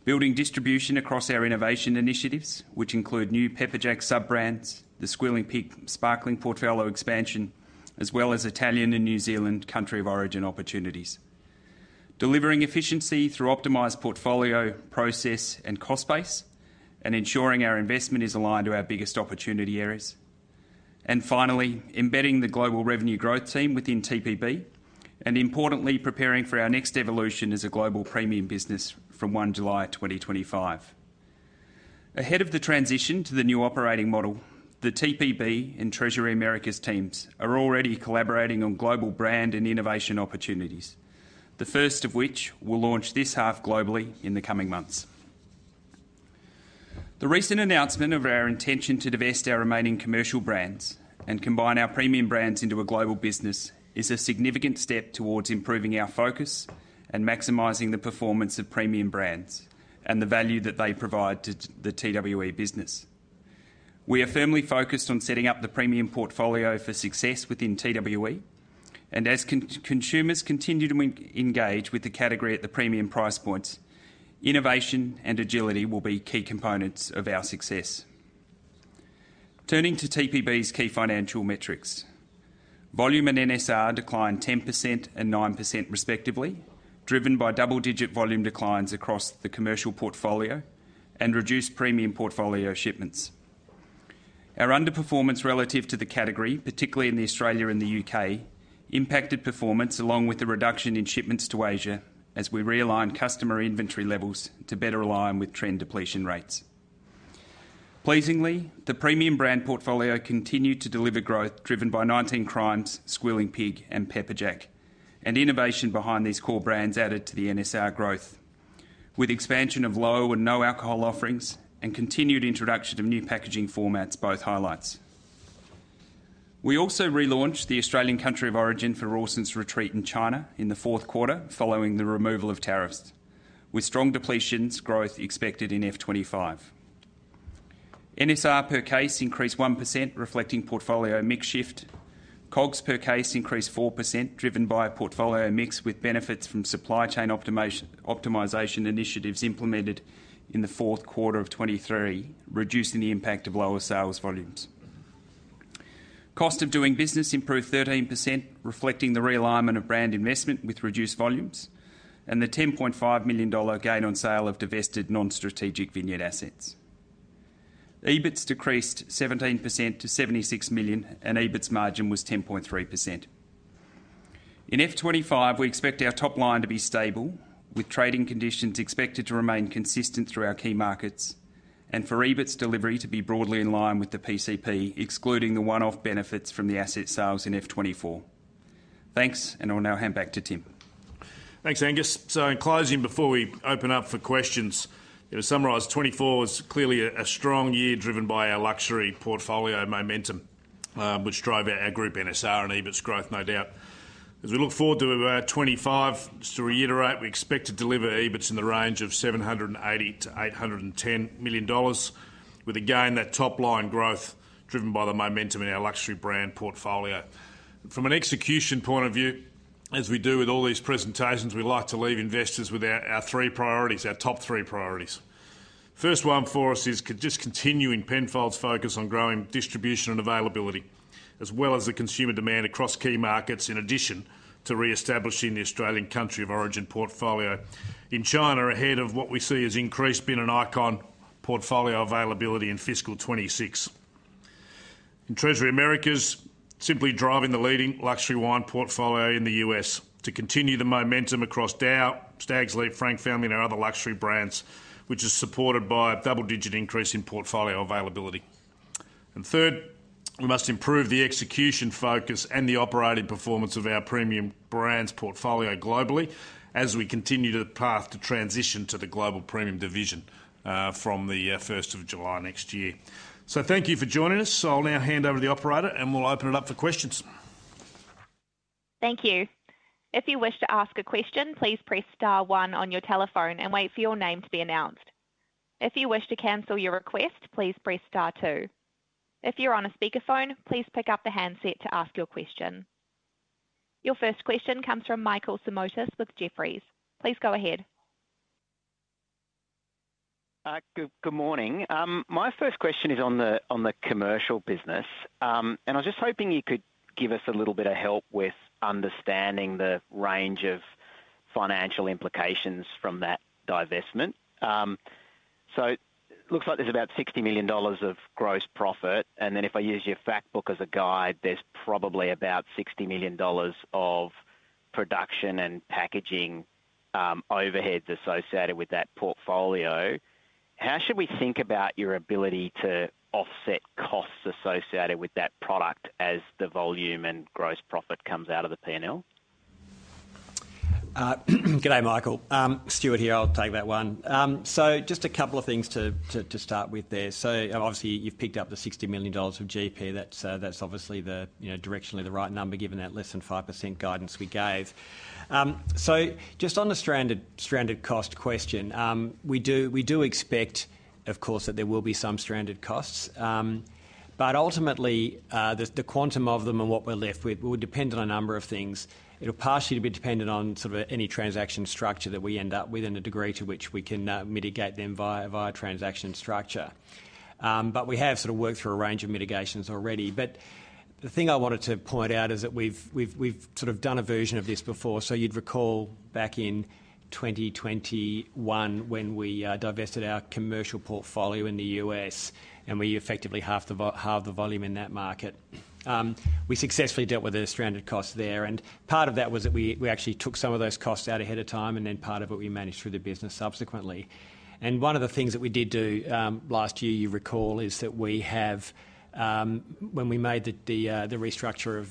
Building distribution across our innovation initiatives, which include new Pepperjack sub-brands, the Squealing Pig Sparkling portfolio expansion, as well as Italian and New Zealand country of origin opportunities. Delivering efficiency through optimized portfolio, process, and cost base, and ensuring our investment is aligned to our biggest opportunity areas. Finally, embedding the global revenue growth team within TPB, and importantly, preparing for our next evolution as a global premium business from 1 July 2025. Ahead of the transition to the new operating model, the TPB and Treasury Americas teams are already collaborating on global brand and innovation opportunities, the first of which will launch this half globally in the coming months. The recent announcement of our intention to divest our remaining commercial brands and combine our premium brands into a global business is a significant step towards improving our focus and maximizing the performance of premium brands and the value that they provide to the TWE business. We are firmly focused on setting up the premium portfolio for success within TWE, and as consumers continue to engage with the category at the premium price points, innovation and agility will be key components of our success. Turning to TPB's key financial metrics. Volume and NSR declined 10% and 9%, respectively, driven by double-digit volume declines across the commercial portfolio and reduced premium portfolio shipments. Our underperformance relative to the category, particularly in Australia and the U.K., impacted performance, along with the reduction in shipments to Asia, as we realigned customer inventory levels to better align with trend depletion rates. Pleasingly, the premium brand portfolio continued to deliver growth, driven by 19 Crimes, Squealing Pig, and Pepperjack. And innovation behind these core brands added to the NSR growth, with expansion of low and no-alcohol offerings and continued introduction of new packaging formats, both highlights. We also relaunched the Australian country of origin for Rawson's Retreat in China in the fourth quarter, following the removal of tariffs, with strong depletions growth expected in F25. NSR per case increased 1%, reflecting portfolio mix shift. COGS per case increased 4%, driven by a portfolio mix, with benefits from supply chain optimization initiatives implemented in the fourth quarter of 2023, reducing the impact of lower sales volumes. Cost of doing business improved 13%, reflecting the realignment of brand investment with reduced volumes and the 10.5 million dollar gain on sale of divested non-strategic vineyard assets. EBITS decreased 17% to 76 million, and EBITS margin was 10.3%. In Fiscal 2025, we expect our top line to be stable, with trading conditions expected to remain consistent through our key markets, and for EBITS delivery to be broadly in line with the PCP, excluding the one-off benefits from the asset sales in Fiscal 2024. Thanks, and I'll now hand back to Tim. Thanks, Angus. So in closing, before we open up for questions, to summarize, 2024 was clearly a strong year driven by our luxury portfolio momentum, which drove our group NSR and EBITS growth, no doubt. As we look forward to 2025, just to reiterate, we expect to deliver EBITS in the range of 780 million-810 million dollars, with, again, that top line growth driven by the momentum in our luxury brand portfolio. From an execution point of view, as we do with all these presentations, we like to leave investors with our three priorities, our top three priorities. First one for us is just continuing Penfolds' focus on growing distribution and availability, as well as the consumer demand across key markets, in addition to reestablishing the Australian country of origin portfolio. In China, ahead of what we see as increased Bin and Icon portfolio availability in Fiscal 2026. In Treasury Americas, simply driving the leading luxury wine portfolio in the US to continue the momentum across DAOUU, Stags' Leap, Frank Family, and our other luxury brands, which is supported by a double-digit increase in portfolio availability. And third, we must improve the execution focus and the operating performance of our premium brands portfolio globally as we continue the path to transition to the Global Premium division, from the first of July next year. So thank you for joining us. I'll now hand over to the operator, and we'll open it up for questions. Thank you. If you wish to ask a question, please press star one on your telephone and wait for your name to be announced. If you wish to cancel your request, please press star two. If you're on a speakerphone, please pick up the handset to ask your question. Your first question comes from Michael Simotas with Jefferies. Please go ahead. Good morning. My first question is on the commercial business. I was just hoping you could give us a little bit of help with understanding the range of financial implications from that divestment. So looks like there's about 60 million dollars of gross profit, and then if I use your fact book as a guide, there's probably about 60 million dollars of production and packaging overheads associated with that portfolio. How should we think about your ability to offset costs associated with that product as the volume and gross profit comes out of the PNL? Good day, Michael. Stuart here. I'll take that one. So just a couple of things to start with there. So obviously, you've picked up the 60 million dollars of GP. That's obviously the, you know, directionally the right number, given that less than 5% guidance we gave. So just on the stranded cost question, we expect, of course, that there will be some stranded costs. But ultimately, the quantum of them and what we're left with will depend on a number of things. It'll partially be dependent on sort of any transaction structure that we end up with and the degree to which we can mitigate them via transaction structure. But we have sort of worked through a range of mitigations already. But the thing I wanted to point out is that we've sort of done a version of this before. So you'd recall back in 2021, when we divested our commercial portfolio in the US, and we effectively halved the volume in that market. We successfully dealt with the stranded costs there, and part of that was that we actually took some of those costs out ahead of time, and then part of it, we managed through the business subsequently. And one of the things that we did do last year, you recall, is that we have... When we made the restructure of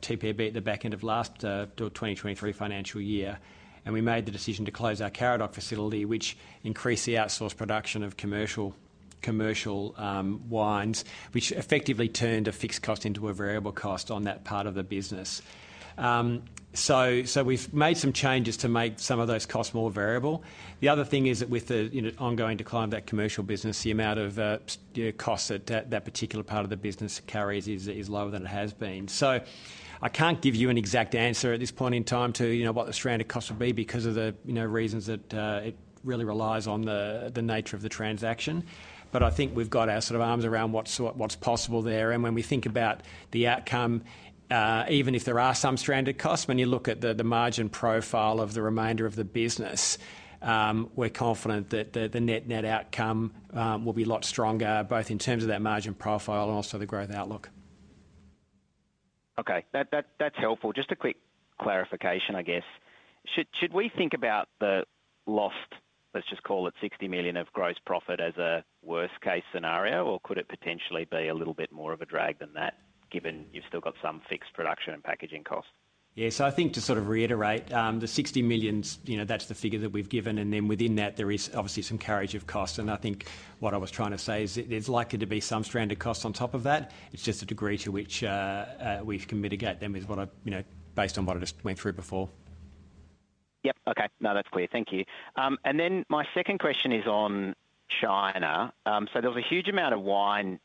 TPB at the back end of last 2023 financial year, and we made the decision to close our Karadoc facility, which increased the outsourced production of commercial wines, which effectively turned a fixed cost into a variable cost on that part of the business. So we've made some changes to make some of those costs more variable. The other thing is that with the ongoing decline of that commercial business, the amount of costs that particular part of the business carries is lower than it has been. So I can't give you an exact answer at this point in time to you know, what the stranded costs will be because of the you know, reasons that it really relies on the nature of the transaction. But I think we've got our sort of arms around what's possible there. And when we think about the outcome, even if there are some stranded costs, when you look at the margin profile of the remainder of the business, we're confident that the net outcome will be a lot stronger, both in terms of that margin profile and also the growth outlook. Okay, that's helpful. Just a quick clarification, I guess. Should we think about the lost, let's just call it 60 million of gross profit, as a worst-case scenario, or could it potentially be a little bit more of a drag than that, given you've still got some fixed production and packaging costs? Yeah. So I think to sort of reiterate, the 60 million, you know, that's the figure that we've given, and then within that, there is obviously some carriage of cost. And I think what I was trying to say is there's likely to be some stranded costs on top of that. It's just the degree to which we can mitigate them is what I, you know, based on what I just went through before. Yep, okay. No, that's clear. Thank you. And then my second question is on China. So there was a huge amount of wine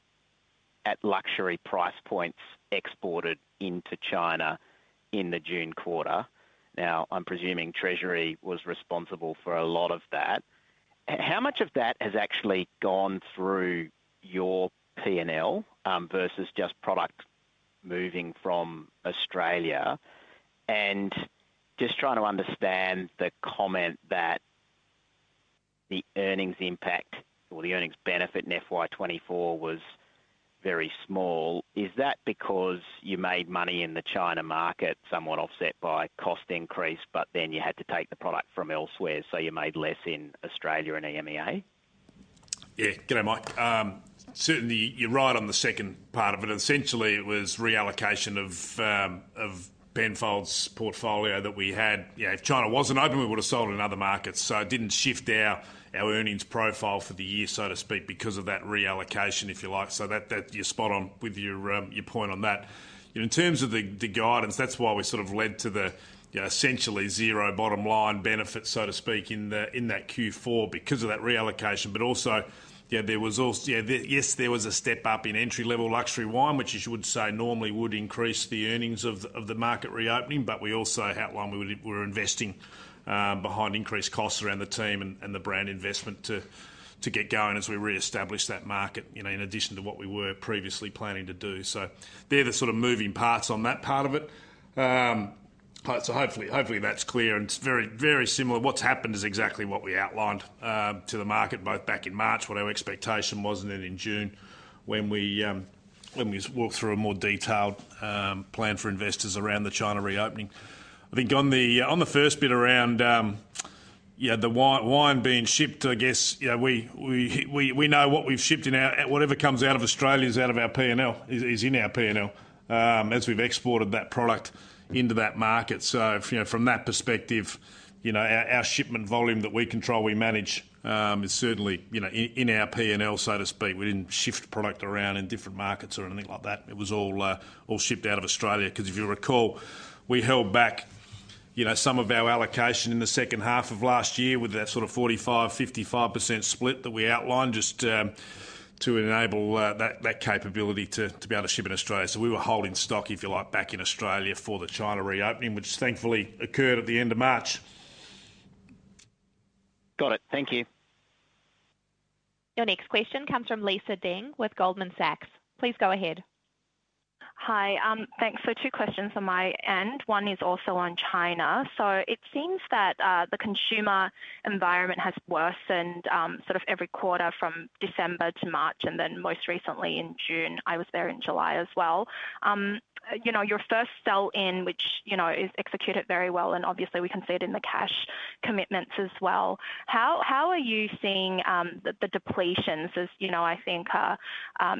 at luxury price points exported into China in the June quarter. Now, I'm presuming Treasury was responsible for a lot of that. How much of that has actually gone through your P&L, versus just product moving from Australia? And just trying to understand the comment that the earnings impact or the earnings benefit in FY 2024 was very small. Is that because you made money in the China market, somewhat offset by cost increase, but then you had to take the product from elsewhere, so you made less in Australia and EMEA? Yeah. Good day, Mike. Certainly, you're right on the second part of it. Essentially, it was reallocation of Penfolds' portfolio that we had. Yeah, if China wasn't open, we would have sold in other markets. So it didn't shift our earnings profile for the year, so to speak, because of that reallocation, if you like. So that, you're spot on with your point on that. In terms of the guidance, that's why we sort of led to the, you know, essentially zero bottom line benefit, so to speak, in that Q4, because of that reallocation. But also, yeah, there was als- yeah, the... Yes, there was a step-up in entry-level luxury wine, which as you would say, normally would increase the earnings of the market reopening, but we also outlined we were investing behind increased costs around the team and the brand investment to get going as we reestablish that market, you know, in addition to what we were previously planning to do. So they're the sort of moving parts on that part of it. So hopefully, that's clear, and it's very similar. What's happened is exactly what we outlined to the market, both back in March, what our expectation was, and then in June, when we walked through a more detailed plan for investors around the China reopening. I think on the first bit around the wine being shipped, I guess, you know, we know what we've shipped, and whatever comes out of Australia is out of our P&L, in our P&L, as we've exported that product into that market. So, you know, from that perspective, you know, our shipment volume that we control, we manage is certainly, you know, in our P&L, so to speak. We didn't shift product around in different markets or anything like that. It was all shipped out of Australia, because if you recall, we held back, you know, some of our allocation in the second half of last year with that sort of 45%-55% split that we outlined, just to enable that capability to be able to ship in Australia. So we were holding stock, if you like, back in Australia for the China reopening, which thankfully occurred at the end of March. Got it. Thank you. Your next question comes from Lisa Ding with Goldman Sachs. Please go ahead. Hi, thanks. So two questions on my end. One is also on China. So it seems that the consumer environment has worsened, sort of every quarter from December to March, and then most recently in June. I was there in July as well. You know, your first sell-in, which, you know, is executed very well, and obviously we can see it in the cash commitments as well. How are you seeing the depletions, as you know, I think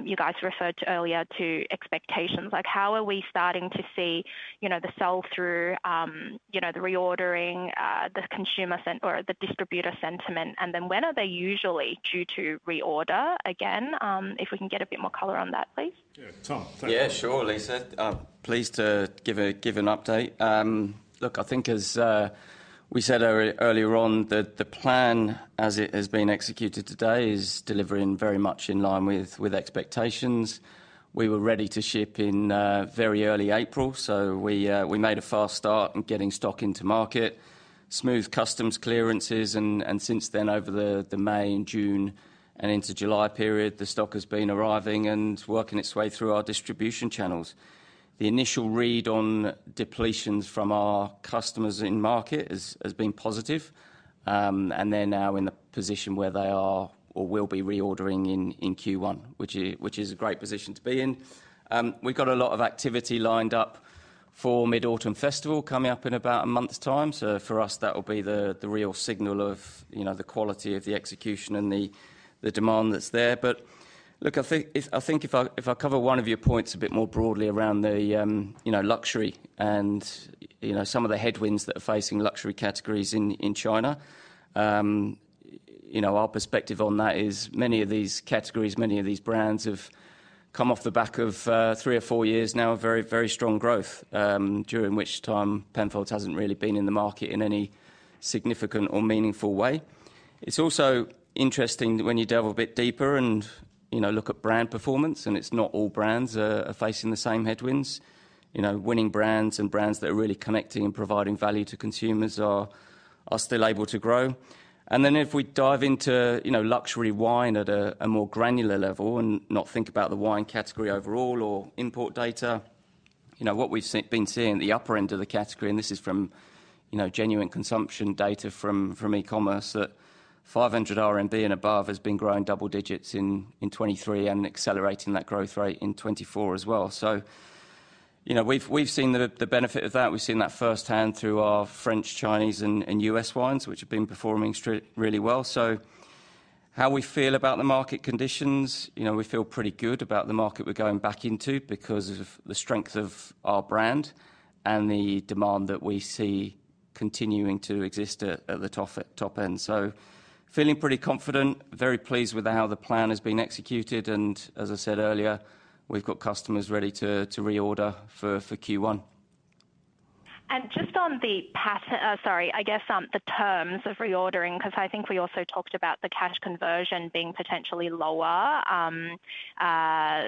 you guys referred to earlier to expectations? Like, how are we starting to see, you know, the sell-through, you know, the reordering, the consumer sent-- or the distributor sentiment, and then when are they usually due to reorder again? If we can get a bit more color on that, please. Yeah, Tom. Yeah, sure, Lisa. I'm pleased to give an update. Look, I think as we said earlier on, the plan as it has been executed today is delivering very much in line with expectations. We were ready to ship in very early April, so we made a fast start in getting stock into market, smooth customs clearances, and since then, over the May and June and into July period, the stock has been arriving and working its way through our distribution channels. The initial read on depletions from our customers in market has been positive, and they're now in the position where they are or will be reordering in Q1, which is a great position to be in. We've got a lot of activity lined up for Mid-Autumn Festival coming up in about a month's time. So for us, that will be the real signal of, you know, the quality of the execution and the demand that's there. But look, I think if I cover one of your points a bit more broadly around the, you know, luxury and, you know, some of the headwinds that are facing luxury categories in China. You know, our perspective on that is many of these categories, many of these brands have come off the back of three or four years now, of very, very strong growth, during which time Penfolds hasn't really been in the market in any significant or meaningful way. It's also interesting when you delve a bit deeper and, you know, look at brand performance, and it's not all brands are, are facing the same headwinds. You know, winning brands and brands that are really connecting and providing value to consumers are, are still able to grow. And then if we dive into, you know, luxury wine at a, a more granular level and not think about the wine category overall or import data, you know, what we've seen, been seeing at the upper end of the category, and this is from, you know, genuine consumption data from, from e-commerce, that 500 RMB and above has been growing double digits in, in 2023 and accelerating that growth rate in 2024 as well. So, you know, we've, we've seen the, the benefit of that. We've seen that firsthand through our French, Chinese, and U.S. wines, which have been performing straight, really well. So how we feel about the market conditions? You know, we feel pretty good about the market we're going back into because of the strength of our brand and the demand that we see continuing to exist at the top end. So, feeling pretty confident, very pleased with how the plan has been executed, and as I said earlier, we've got customers ready to reorder for Q1. And just on the pattern, sorry, I guess, the terms of reordering, 'cause I think we also talked about the cash conversion being potentially lower,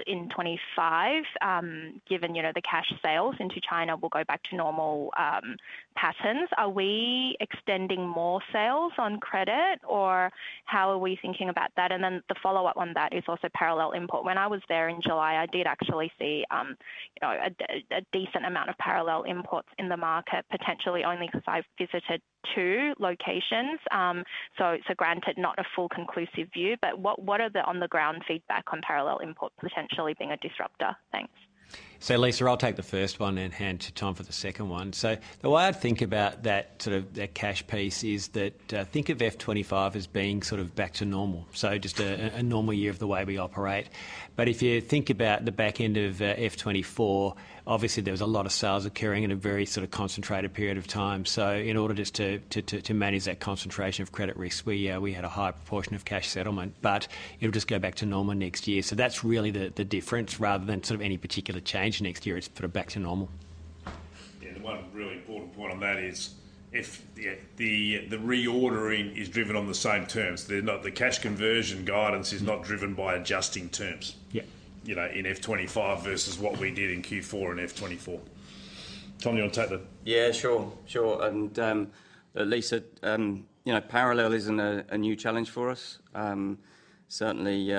in 25, given, you know, the cash sales into China will go back to normal, patterns. Are we extending more sales on credit, or how are we thinking about that? And then the follow-up on that is also parallel import. When I was there in July, I did actually see, you know, a decent amount of parallel imports in the market, potentially only 'cause I visited two locations. So, granted, not a full conclusive view, but what are the on-the-ground feedback on parallel import potentially being a disruptor? Thanks. So, Lisa, I'll take the first one and hand to Tom for the second one. So the way I think about that, sort of, that cash piece is that, think of Fiscal 2025 as being sort of back to normal, so just a normal year of the way we operate. But if you think about the back end of Fiscal 2024, obviously, there was a lot of sales occurring in a very sort of concentrated period of time. So in order just to manage that concentration of credit risk, we, we had a high proportion of cash settlement, but it'll just go back to normal next year. So that's really the difference. Rather than sort of any particular change next year, it's sort of back to normal. Yeah, the one really important point on that is if the reordering is driven on the same terms, the cash conversion guidance is not driven by adjusting terms. Yeah. you know, in Fiscal Year 2025 versus what we did in Q4 and Fiscal Year 2025. Tom, you want to take the- Yeah, sure, sure. And, Lisa, you know, parallel isn't a new challenge for us. Certainly,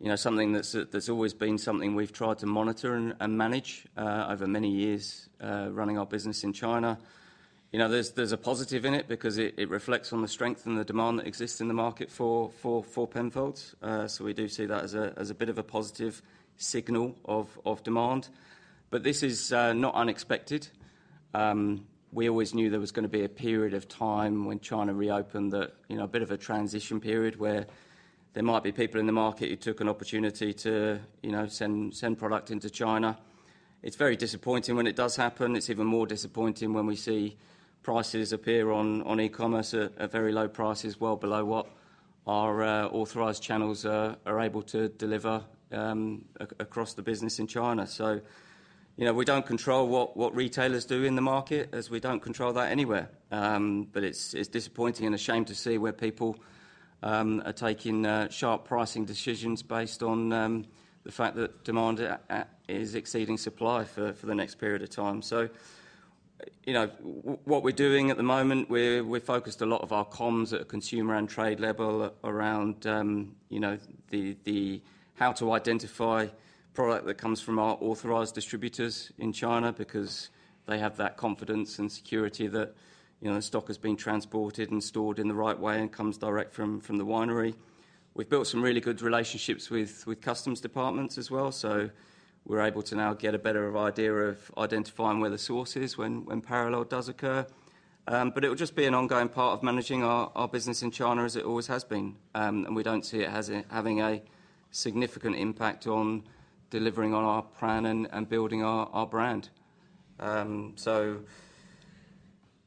you know, something that's always been something we've tried to monitor and manage over many years running our business in China. You know, there's a positive in it because it reflects on the strength and the demand that exists in the market for Penfolds. So we do see that as a bit of a positive signal of demand. But this is not unexpected. We always knew there was gonna be a period of time when China reopened, that you know, a bit of a transition period where there might be people in the market who took an opportunity to send product into China. It's very disappointing when it does happen. It's even more disappointing when we see prices appear on e-commerce at very low prices, well below what our authorized channels are able to deliver across the business in China. So, you know, we don't control what retailers do in the market, as we don't control that anywhere. But it's disappointing and a shame to see where people are taking sharp pricing decisions based on the fact that demand is exceeding supply for the next period of time. So, you know, what we're doing at the moment, we're focused a lot of our comms at a consumer and trade level around, you know, the how to identify product that comes from our authorized distributors in China, because they have that confidence and security that, you know, stock is being transported and stored in the right way and comes direct from the winery. We've built some really good relationships with customs departments as well, so we're able to now get a better idea of identifying where the source is when parallel does occur. But it'll just be an ongoing part of managing our business in China as it always has been. And we don't see it as having a significant impact on delivering on our plan and building our brand. So,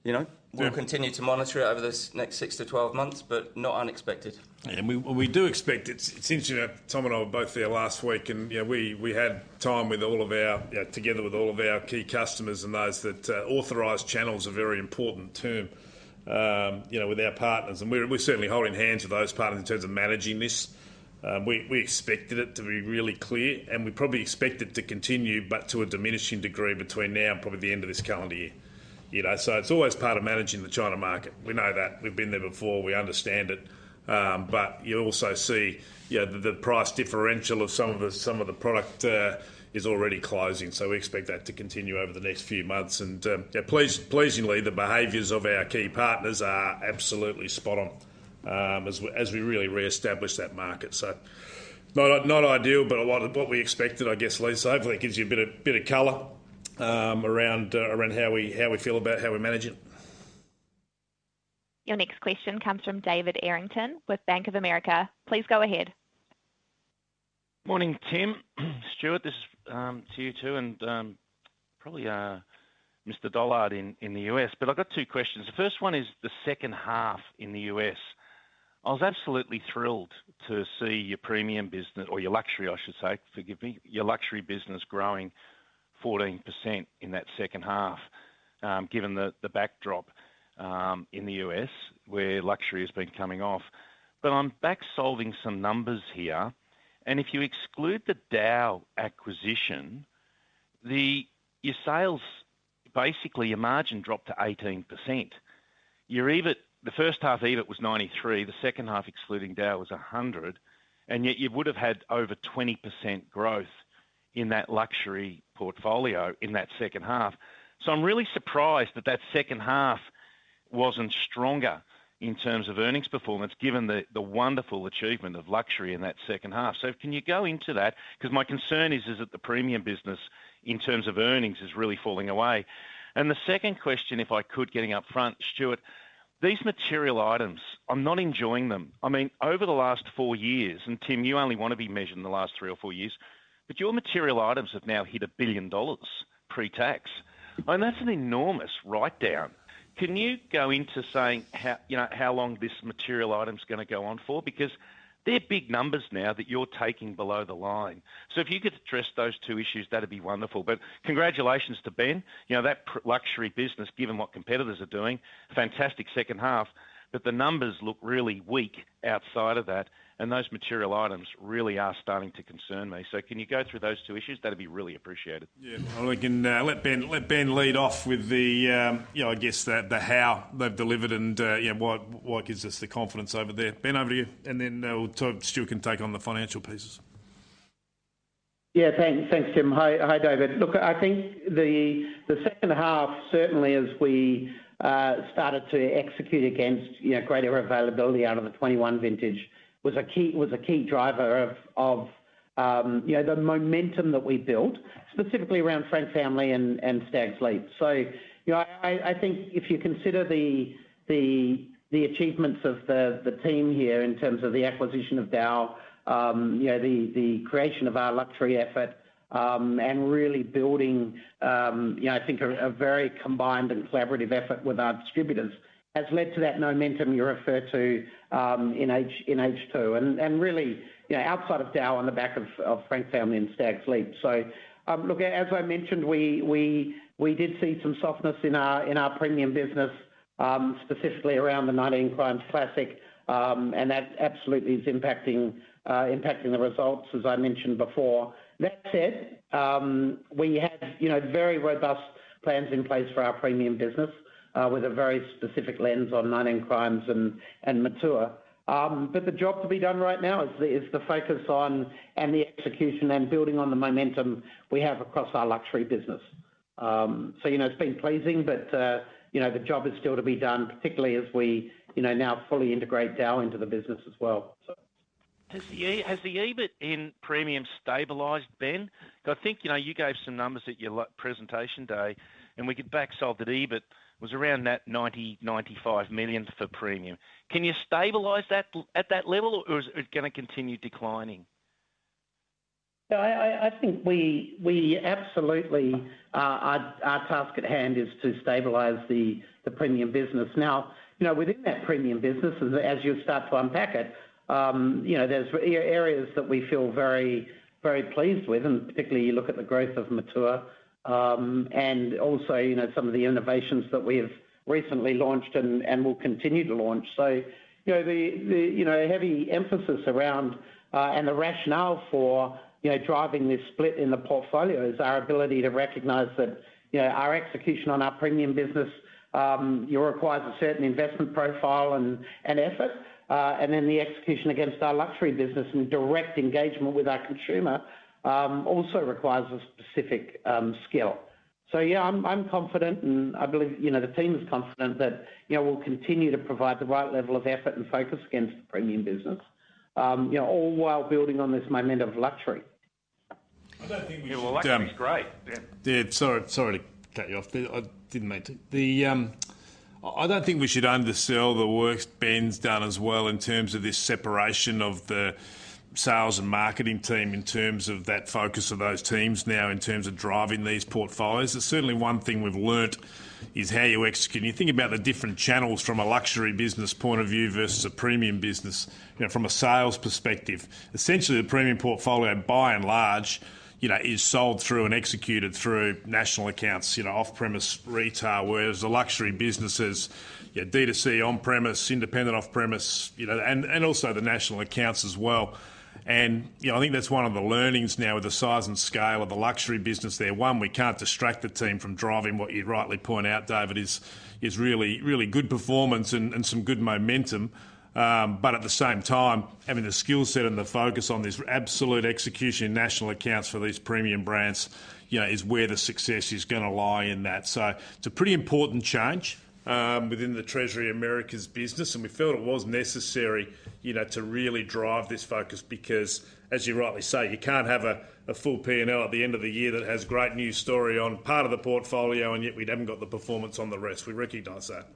you know- Yeah... we'll continue to monitor it over this next 6 months-12 months, but not unexpected. And we do expect it's interesting. Tom and I were both there last week, and, you know, we had time with all of our, together with all of our key customers and those that authorized channels are very important term, you know, with our partners, and we're certainly holding hands with those partners in terms of managing this. We expected it to be really clear, and we probably expect it to continue, but to a diminishing degree between now and probably the end of this calendar year. You know, so it's always part of managing the China market. We know that. We've been there before. We understand it. But you also see, you know, the price differential of some of the product is already closing, so we expect that to continue over the next few months. And, yeah, pleasingly, the behaviors of our key partners are absolutely spot on, as we really reestablish that market. So not ideal, but a lot of what we expected, I guess, Lisa. Hopefully, it gives you a bit of color around how we feel about how we manage it. Your next question comes from David Errington with Bank of America. Please go ahead. Morning, Tim. Stuart, this is to you, too, and probably Mr. Dollard in the US. But I've got two questions. The first one is the second half in the US. I was absolutely thrilled to see your premium business, or your luxury, I should say, forgive me, your luxury business growing 14% in that second half, given the backdrop in the US, where luxury has been coming off. But I'm back solving some numbers here, and if you exclude the DAOU acquisition, your sales, basically, your margin dropped to 18%. Your EBITS, the first half EBITS was 93, the second half, excluding DAOU, was 100, and yet you would have had over 20% growth in that luxury portfolio in that second half. So I'm really surprised that that second half wasn't stronger in terms of earnings performance, given the wonderful achievement of luxury in that second half. So can you go into that? 'Cause my concern is, is that the premium business, in terms of earnings, is really falling away. And the second question, if I could, getting up front, Stuart, these material items, I'm not enjoying them. I mean, over the last four years, and Tim, you only want to be measured in the last three or four years, but your material items have now hit 1 billion dollars pre-tax, and that's an enormous write-down. Can you go into saying how, you know, how long this material item's gonna go on for? Because they're big numbers now that you're taking below the line. So if you could address those two issues, that'd be wonderful. But congratulations to Ben. You know, that luxury business, given what competitors are doing, fantastic second half, but the numbers look really weak outside of that, and those material items really are starting to concern me. So can you go through those two issues? That'd be really appreciated. Yeah, well, we can, let Ben, let Ben lead off with the, you know, I guess, the, the how they've delivered and, you know, what, what gives us the confidence over there. Ben, over to you, and then, Stu can take on the financial pieces. Yeah. Thanks, Tim. Hi, David. Look, I think the second half, certainly as we started to execute against, you know, greater availability out of the 2021 vintage, was a key driver of, you know, the momentum that we built, specifically around Frank Family and Stags' Leap. So, you know, I think if you consider the achievements of the team here in terms of the acquisition of DAOU, you know, the creation of our luxury effort, and really building, you know, I think a very combined and collaborative effort with our distributors, has led to that momentum you refer to, in H2. And really, you know, outside of DAOU, on the back of Frank Family and Stags' Leap. So, look, as I mentioned, we did see some softness in our premium business, specifically around the 19 Crimes Classic, and that absolutely is impacting the results, as I mentioned before. That said, we have, you know, very robust plans in place for our premium business, with a very specific lens on 19 Crimes and Matua. But the job to be done right now is the focus on, and the execution, and building on the momentum we have across our luxury business. So, you know, it's been pleasing, but, you know, the job is still to be done, particularly as we, you know, now fully integrate DAOU into the business as well. So- Has the EBITS in premium stabilized, Ben? So I think, you know, you gave some numbers at your presentation day, and we could back solve that EBITS was around that 90 million-95 million for premium. Can you stabilize that at that level, or is it gonna continue declining? I think we absolutely our task at hand is to stabilize the premium business. Now, you know, within that premium business, as you start to unpack it, you know, there are areas that we feel very, very pleased with, and particularly you look at the growth of Matua. And also, you know, some of the innovations that we have recently launched and will continue to launch. So, you know, the heavy emphasis around and the rationale for, you know, driving this split in the portfolio is our ability to recognize that, you know, our execution on our premium business it requires a certain investment profile and effort. And then the execution against our luxury business and direct engagement with our consumer also requires a specific skill. So yeah, I'm confident, and I believe, you know, the team is confident that, you know, we'll continue to provide the right level of effort and focus against the premium business, you know, all while building on this momentum of luxury. I don't think we should, Yeah, well, luxury is great. Yeah, sorry, sorry to cut you off there. I didn't mean to. I don't think we should undersell the work Ben's done as well in terms of this separation of the sales and marketing team, in terms of that focus of those teams now, in terms of driving these portfolios. There's certainly one thing we've learnt is how you execute. When you think about the different channels from a luxury business point of view versus a premium business, you know, from a sales perspective. Essentially, the premium portfolio, by and large, you know, is sold through and executed through national accounts, you know, off-premise retail. Whereas the luxury business is, yeah, D2C, on-premise, independent off-premise, you know, and also the national accounts as well. You know, I think that's one of the learnings now with the size and scale of the luxury business there. One, we can't distract the team from driving what you rightly point out, David, is really good performance and some good momentum. But at the same time, having the skill set and the focus on this absolute execution in national accounts for these premium brands, you know, is where the success is gonna lie in that. So it's a pretty important change within the Treasury Americas business, and we felt it was necessary, you know, to really drive this focus because, as you rightly say, you can't have a full P&L at the end of the year that has great news story on part of the portfolio, and yet we haven't got the performance on the rest. We recognize that.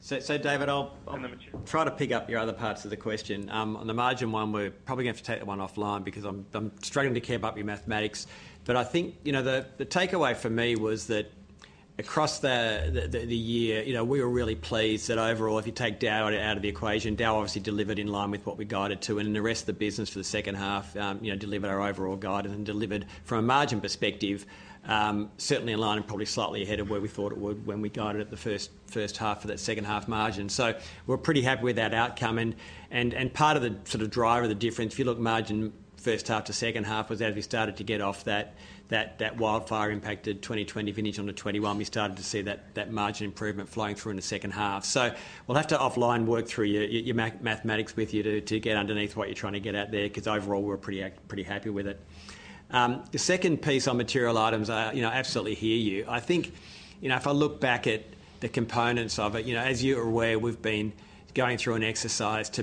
So, David, I'll- Mm... try to pick up your other parts of the question. On the margin one, we're probably going to have to take that one offline because I'm struggling to keep up your mathematics. But I think, you know, the takeaway for me was that across the year, you know, we were really pleased that overall, if you take DAOUU out of the equation, DAOUU obviously delivered in line with what we guided it to, and the rest of the business for the second half, you know, delivered our overall guidance and delivered from a margin perspective, certainly in line and probably slightly ahead of where we thought it would when we guided it the first half for that second half margin. So we're pretty happy with that outcome, and part of the sort of driver of the difference, if you look margin first half to second half, was as we started to get off that wildfire impacted 2020 vintage onto 2021, we started to see that margin improvement flowing through in the second half. So we'll have to offline work through your mathematics with you to get underneath what you're trying to get at there, because overall we're pretty happy with it. The second piece on material items, you know, absolutely hear you. I think, you know, if I look back at the components of it, you know, as you're aware, we've been going through an exercise to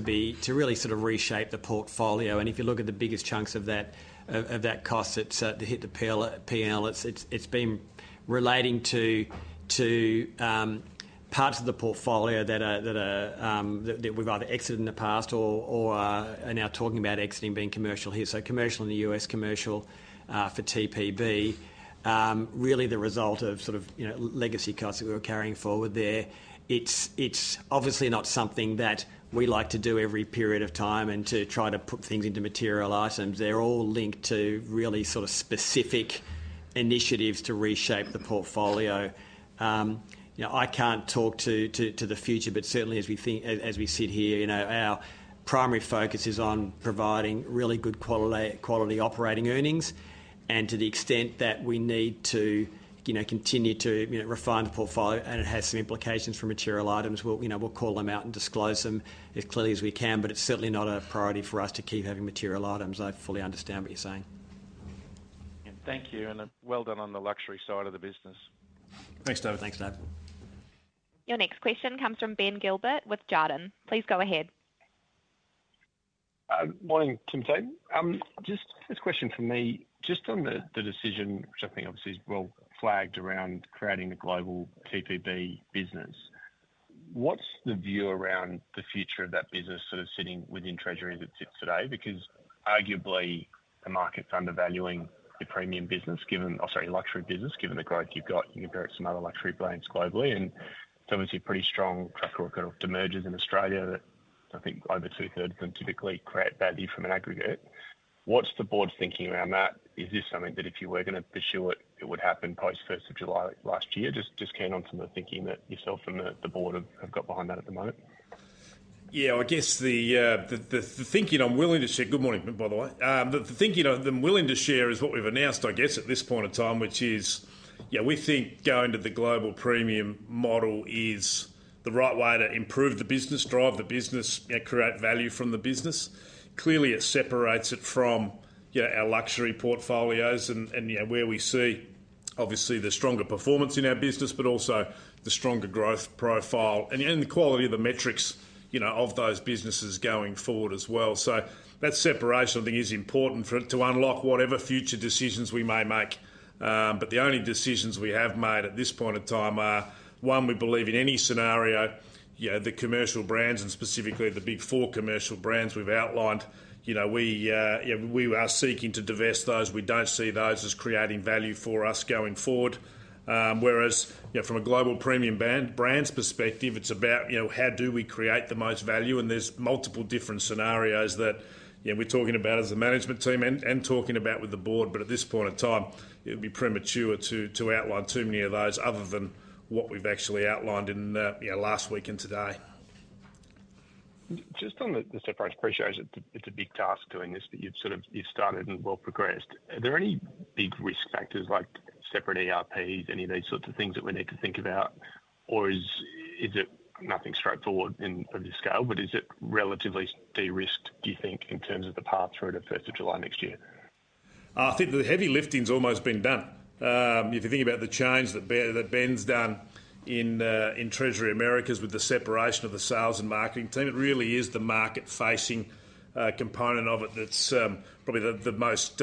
really sort of reshape the portfolio. If you look at the biggest chunks of that, of that cost, it's to hit the P&L, it's, it's been relating to parts of the portfolio that are, that are that we've either exited in the past or are now talking about exiting being commercial here. So commercial in the U.S., commercial for TPB, really the result of sort of, you know, legacy costs that we were carrying forward there. It's obviously not something that we like to do every period of time and to try to put things into material items. They're all linked to really sort of specific initiatives to reshape the portfolio. You know, I can't talk to the future, but certainly as we sit here, you know, our primary focus is on providing really good quality operating earnings. And to the extent that we need to, you know, continue to, you know, refine the portfolio, and it has some implications for material items, we'll, you know, call them out and disclose them as clearly as we can, but it's certainly not a priority for us to keep having material items. I fully understand what you're saying. Thank you, and well done on the luxury side of the business. Thanks, David. Thanks, David. Your next question comes from Ben Gilbert with Jarden. Please go ahead. Morning, Tim Ford. Just first question from me, just on the decision, which I think obviously is well flagged around creating the global TPB business. What's the view around the future of that business sort of sitting within Treasury as it sits today? Because arguably, the market's undervaluing the premium business, given—I'm sorry, luxury business, given the growth you've got. You compare it to some other luxury brands globally, and there's obviously a pretty strong track record of demergers in Australia that I think over two-thirds of them typically create value from an aggregate. What's the board's thinking around that? Is this something that if you were gonna pursue it, it would happen post first of July last year? Just keen on some of the thinking that yourself and the board have got behind that at the moment. Yeah, I guess the thinking I'm willing to share... Good morning, by the way. The thinking I'm willing to share is what we've announced, I guess, at this point in time, which is, you know, we think going to the global premium model is the right way to improve the business, drive the business, and create value from the business. Clearly, it separates it from, you know, our luxury portfolios and, and, you know, where we see obviously the stronger performance in our business, but also the stronger growth profile and, and the quality of the metrics, you know, of those businesses going forward as well. So that separation, I think, is important for it to unlock whatever future decisions we may make. But the only decisions we have made at this point in time are, one, we believe in any scenario, you know, the commercial brands and specifically the big four commercial brands we've outlined, you know, we, you know, we are seeking to divest those. We don't see those as creating value for us going forward. Whereas, you know, from a global premium brand, brands perspective, it's about, you know, how do we create the most value? And there's multiple different scenarios that, you know, we're talking about as a management team and, and talking about with the board. But at this point in time, it would be premature to, to outline too many of those other than what we've actually outlined in, you know, last week and today. Just on the separation, I appreciate it's a big task doing this, but you've sort of started and well progressed. Are there any big risk factors like separate ERPs, any of these sorts of things that we need to think about? Or is it nothing straightforward in of this scale, but is it relatively de-risked, do you think, in terms of the path through to first of July next year? I think the heavy lifting's almost been done. If you think about the change that Ben, that Ben's done in Treasury Americas with the separation of the sales and marketing team, it really is the market-facing component of it that's probably the, the most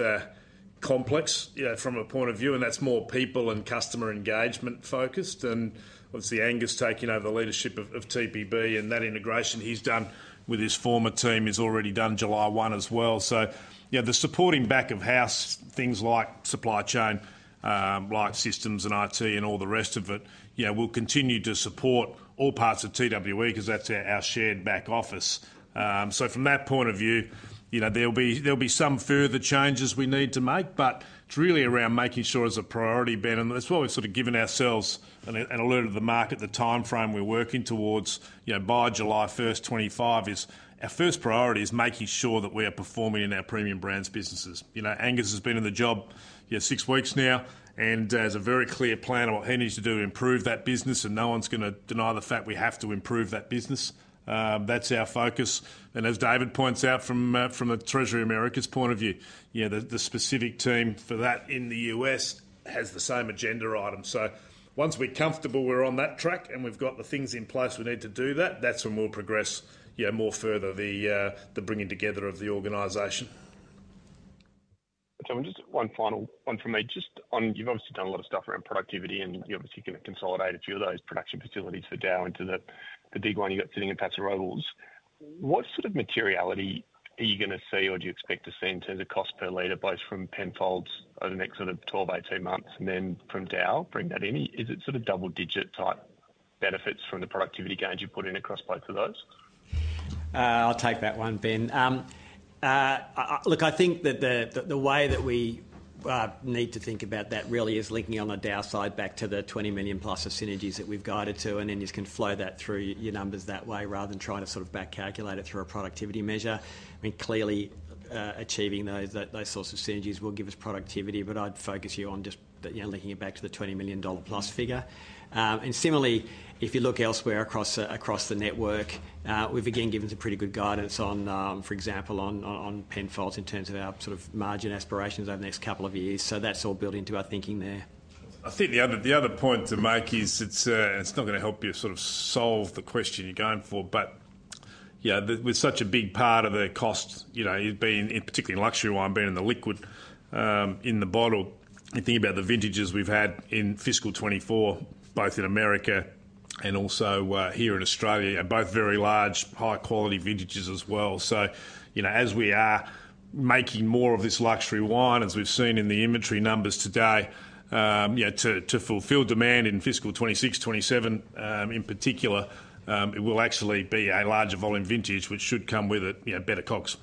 complex, you know, from a point of view, and that's more people and customer engagement-focused. And obviously, Angus taking over the leadership of TPB and that integration he's done with his former team is already done July one as well. So, you know, the supporting back of house, things like supply chain, like systems and IT and all the rest of it, you know, will continue to support all parts of TWE because that's our, our shared back office. So from that point of view, you know, there'll be, there'll be some further changes we need to make, but it's really around making sure as a priority, Ben, and as well, we've sort of given ourselves and alerted the market, the timeframe we're working towards, you know, by July 1, 2025, is our first priority is making sure that we are performing in our premium brands businesses. You know, Angus has been in the job, you know, six weeks now, and has a very clear plan on what he needs to do to improve that business, and no one's gonna deny the fact we have to improve that business. That's our focus. And as David points out from the Treasury Americas point of view, you know, the specific team for that in the U.S. has the same agenda item. So once we're comfortable we're on that track, and we've got the things in place we need to do that, that's when we'll progress, you know, more further, the bringing together of the organization. So just one final one from me. Just on... You've obviously done a lot of stuff around productivity, and you're obviously going to consolidate a few of those production facilities for DAOU into the, the big one you've got sitting in Paso Robles. What sort of materiality are you gonna see or do you expect to see in terms of cost per liter, both from Penfolds over the next sort of 12 months, 18 months, and then from DAOU, bringing that in? Is it sort of double-digit type benefits from the productivity gains you've put in across both of those? I'll take that one, Ben. Look, I think that the way that we need to think about that really is linking on the DAOU side back to the $20 million+ of synergies that we've guided to, and then you just can flow that through your numbers that way, rather than trying to sort of back calculate it through a productivity measure. I mean, clearly, achieving those sorts of synergies will give us productivity, but I'd focus you on just, you know, linking it back to the $20 million+ figure. And similarly, if you look elsewhere across the network, we've again, given some pretty good guidance on, for example, on Penfolds in terms of our sort of margin aspirations over the next couple of years. That's all built into our thinking there. I think the other point to make is it's not gonna help you sort of solve the question you're going for, but yeah, with such a big part of the cost, you know, being, in particular in luxury wine, being in the liquid in the bottle. You think about the vintages we've had in fiscal 2024, both in America and also here in Australia, are both very large, high quality vintages as well. So, you know, as we are making more of this luxury wine, as we've seen in the inventory numbers today, you know, to fulfill demand in Fiscal 2026, 2027, in particular, it will actually be a larger volume vintage, which should come with it, you know, better COGS.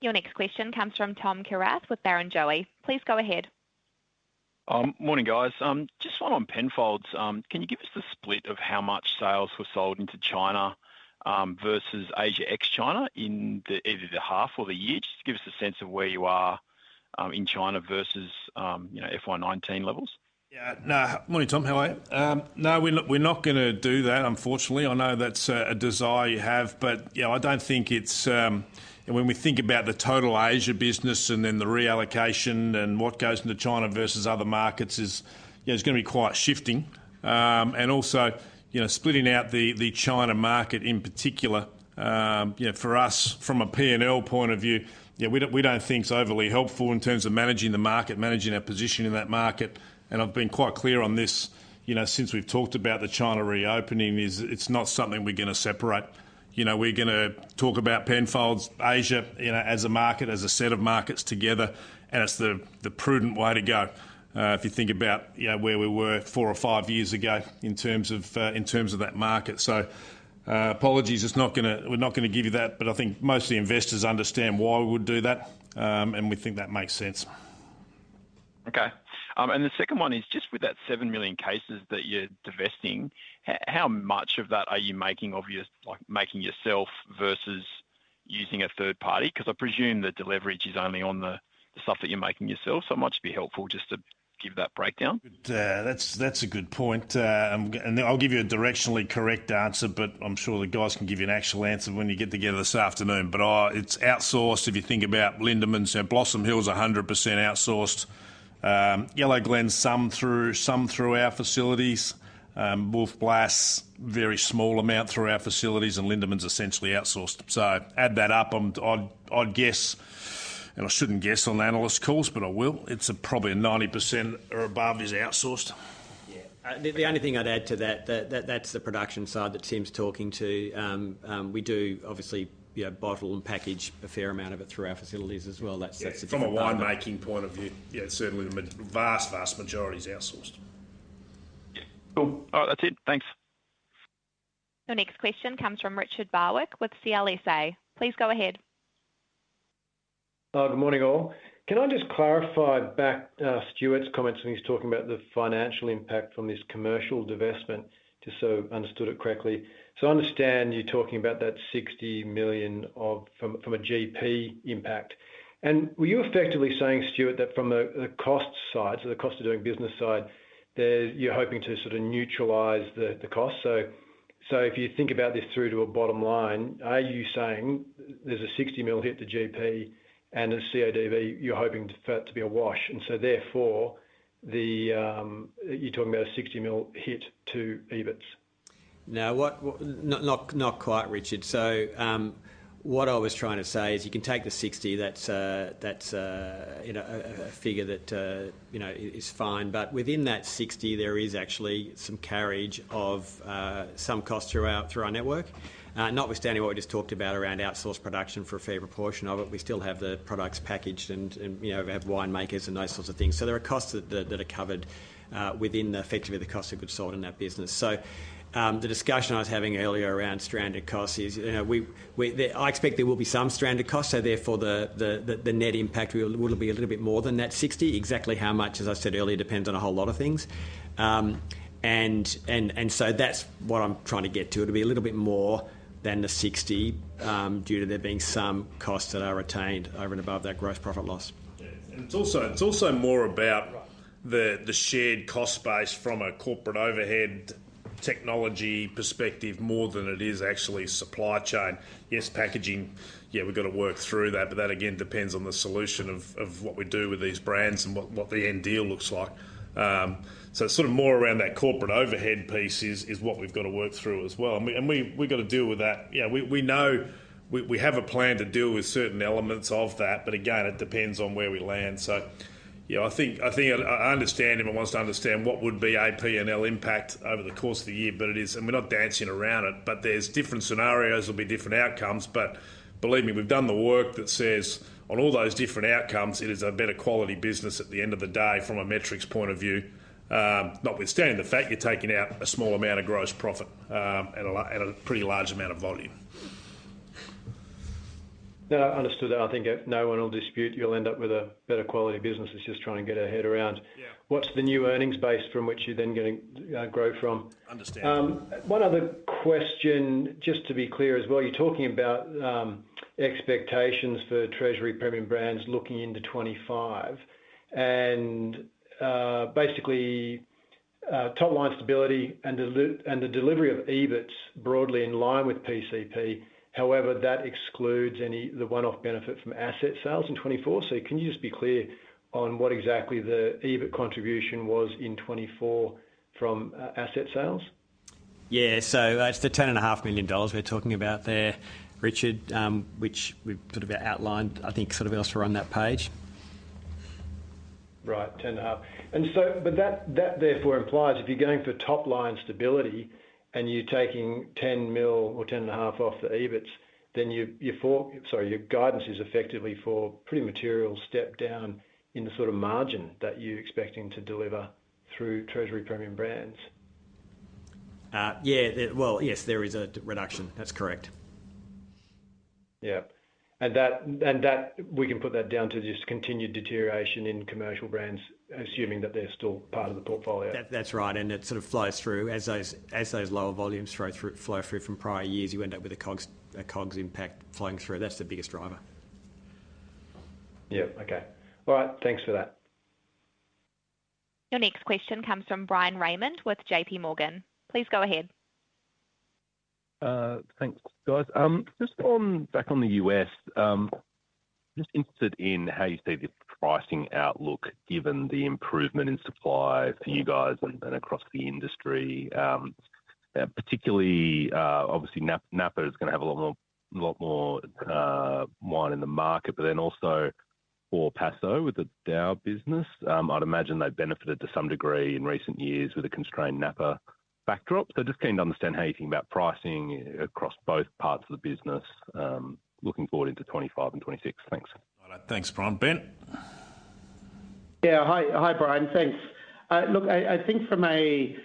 Your next question comes from Tom Kierath with Barrenjoey. Please go ahead. Morning, guys. Just one on Penfolds. Can you give us the split of how much sales were sold into China, versus Asia ex China in the, either the half or the year? Just to give us a sense of where you are, in China versus, you know, FY 2019 levels. Yeah. No. Morning, Tom. How are you? No, we're not, we're not gonna do that, unfortunately. I know that's a desire you have, but, you know, I don't think it's... When we think about the total Asia business and then the reallocation and what goes into China versus other markets is, you know, it's gonna be quite shifting. And also, you know, splitting out the, the China market in particular, you know, for us, from a P&L point of view, yeah, we don't, we don't think it's overly helpful in terms of managing the market, managing our position in that market. And I've been quite clear on this, you know, since we've talked about the China reopening, is it's not something we're gonna separate. You know, we're gonna talk about Penfolds, Asia, you know, as a market, as a set of markets together, and it's the prudent way to go. If you think about, you know, where we were four or five years ago in terms of that market. So, apologies, we're not gonna give you that, but I think most of the investors understand why we would do that, and we think that makes sense. Okay. And the second one is just with that 7 million cases that you're divesting, how much of that are you making obvious, like, making yourself versus using a third party? Because I presume that the leverage is only on the stuff that you're making yourself. So it might just be helpful just to give that breakdown. Good. That's, that's a good point. And I'll give you a directionally correct answer, but I'm sure the guys can give you an actual answer when you get together this afternoon. But, it's outsourced. If you think about Lindeman's and Blossom Hill is 100% outsourced. Yellowglen, some through, some through our facilities. Wolf Blass, very small amount through our facilities, and Lindeman's essentially outsourced. So add that up, I'd, I'd guess, and I shouldn't guess on the analyst calls, but I will. It's probably 90% or above is outsourced. Yeah. The only thing I'd add to that, that's the production side that Tim's talking to. We do obviously, you know, bottle and package a fair amount of it through our facilities as well. That's- From a winemaking point of view, yeah, certainly the vast, vast majority is outsourced. Yeah. Cool. All right, that's it. Thanks. Your next question comes from Richard Barwick with CLSA. Please go ahead. Good morning, all. Can I just clarify back Stuart's comments when he's talking about the financial impact from this commercial divestment, just so I understood it correctly. So I understand you're talking about that 60 million of, from, from a GP impact. And were you effectively saying, Stuart, that from the cost side, so the cost of doing business side, that you're hoping to sort of neutralize the cost? So if you think about this through to a bottom line, are you saying there's a 60 million hit to GP and the CODB, you're hoping for it to be a wash, and so therefore you're talking about a 60 million hit to EBITS? No, not quite, Richard. So, what I was trying to say is you can take the 60, that's, that's, you know, a figure that, you know, is fine. But within that 60, there is actually some carriage of some costs through our, through our network. Notwithstanding what we just talked about around outsourced production for a fair proportion of it, we still have the products packaged and, you know, have winemakers and those sorts of things. So there are costs that are covered within effectively the cost of goods sold in that business. So, the discussion I was having earlier around stranded costs is, you know, we, I expect there will be some stranded costs, so therefore, the net impact will be a little bit more than that 60. Exactly how much, as I said earlier, depends on a whole lot of things. So that's what I'm trying to get to. It'll be a little bit more than the 60, due to there being some costs that are retained over and above that gross profit loss. Yeah. It's also, it's also more about- Right. The shared cost base from a corporate overhead technology perspective, more than it is actually supply chain. Yes, packaging, yeah, we've got to work through that, but that again depends on the solution of, of what we do with these brands and what, what the end deal looks like. So sort of more around that corporate overhead piece is, is what we've got to work through as well. And we, we've got to deal with that. Yeah, we, we know, we, we have a plan to deal with certain elements of that, but again, it depends on where we land. So, yeah, I think, I think I, I understand everyone wants to understand what would be a P&L impact over the course of the year, but it is... And we're not dancing around it, but there's different scenarios, there'll be different outcomes. But believe me, we've done the work that says on all those different outcomes, it is a better quality business at the end of the day, from a metrics point of view, notwithstanding the fact you're taking out a small amount of gross profit at a pretty large amount of volume. No, I understood that. I think no one will dispute you'll end up with a better quality business. It's just trying to get our head around- Yeah. What's the new earnings base from which you're then going to grow from? Understand. One other question, just to be clear as well, you're talking about expectations for Treasury Premium Brands looking into 2025, and basically top-line stability and the delivery of EBITS broadly in line with PCP. However, that excludes any the one-off benefit from asset sales in 2024. So can you just be clear on what exactly the EBITS contribution was in 2024 from asset sales? Yeah, so it's the $10.5 million we're talking about there, Richard, which we've sort of outlined, I think, sort of else we're on that page. Right, 10.5 million. And so, but that, that therefore implies if you're going for top-line stability and you're taking 10 million or 10.5 million off the EBITS, then your, sorry, your guidance is effectively for pretty material step down in the sort of margin that you're expecting to deliver through Treasury Premium Brands. Yeah. Well, yes, there is a reduction. That's correct. Yeah, and that, we can put that down to just continued deterioration in Commercial Brands, assuming that they're still part of the portfolio. That, that's right, and it sort of flows through. As those lower volumes flow through from prior years, you end up with a COGS, a COGS impact flowing through. That's the biggest driver. Yeah. Okay. All right, thanks for that. Your next question comes from Bryan Raymond with JPMorgan. Please go ahead. Thanks, guys. Just on, back on the US, just interested in how you see the pricing outlook, given the improvement in supply for you guys and, and across the industry. Particularly, obviously, Napa, Napa is going to have a lot more, lot more, wine in the market, but then also for Paso with the DAOU business. I'd imagine they've benefited to some degree in recent years with a constrained Napa backdrop. So just keen to understand how you think about pricing across both parts of the business, looking forward into 2025 and 2026. Thanks. All right. Thanks, Brian. Ben? Yeah. Hi, Brian. Thanks. Look, I think from a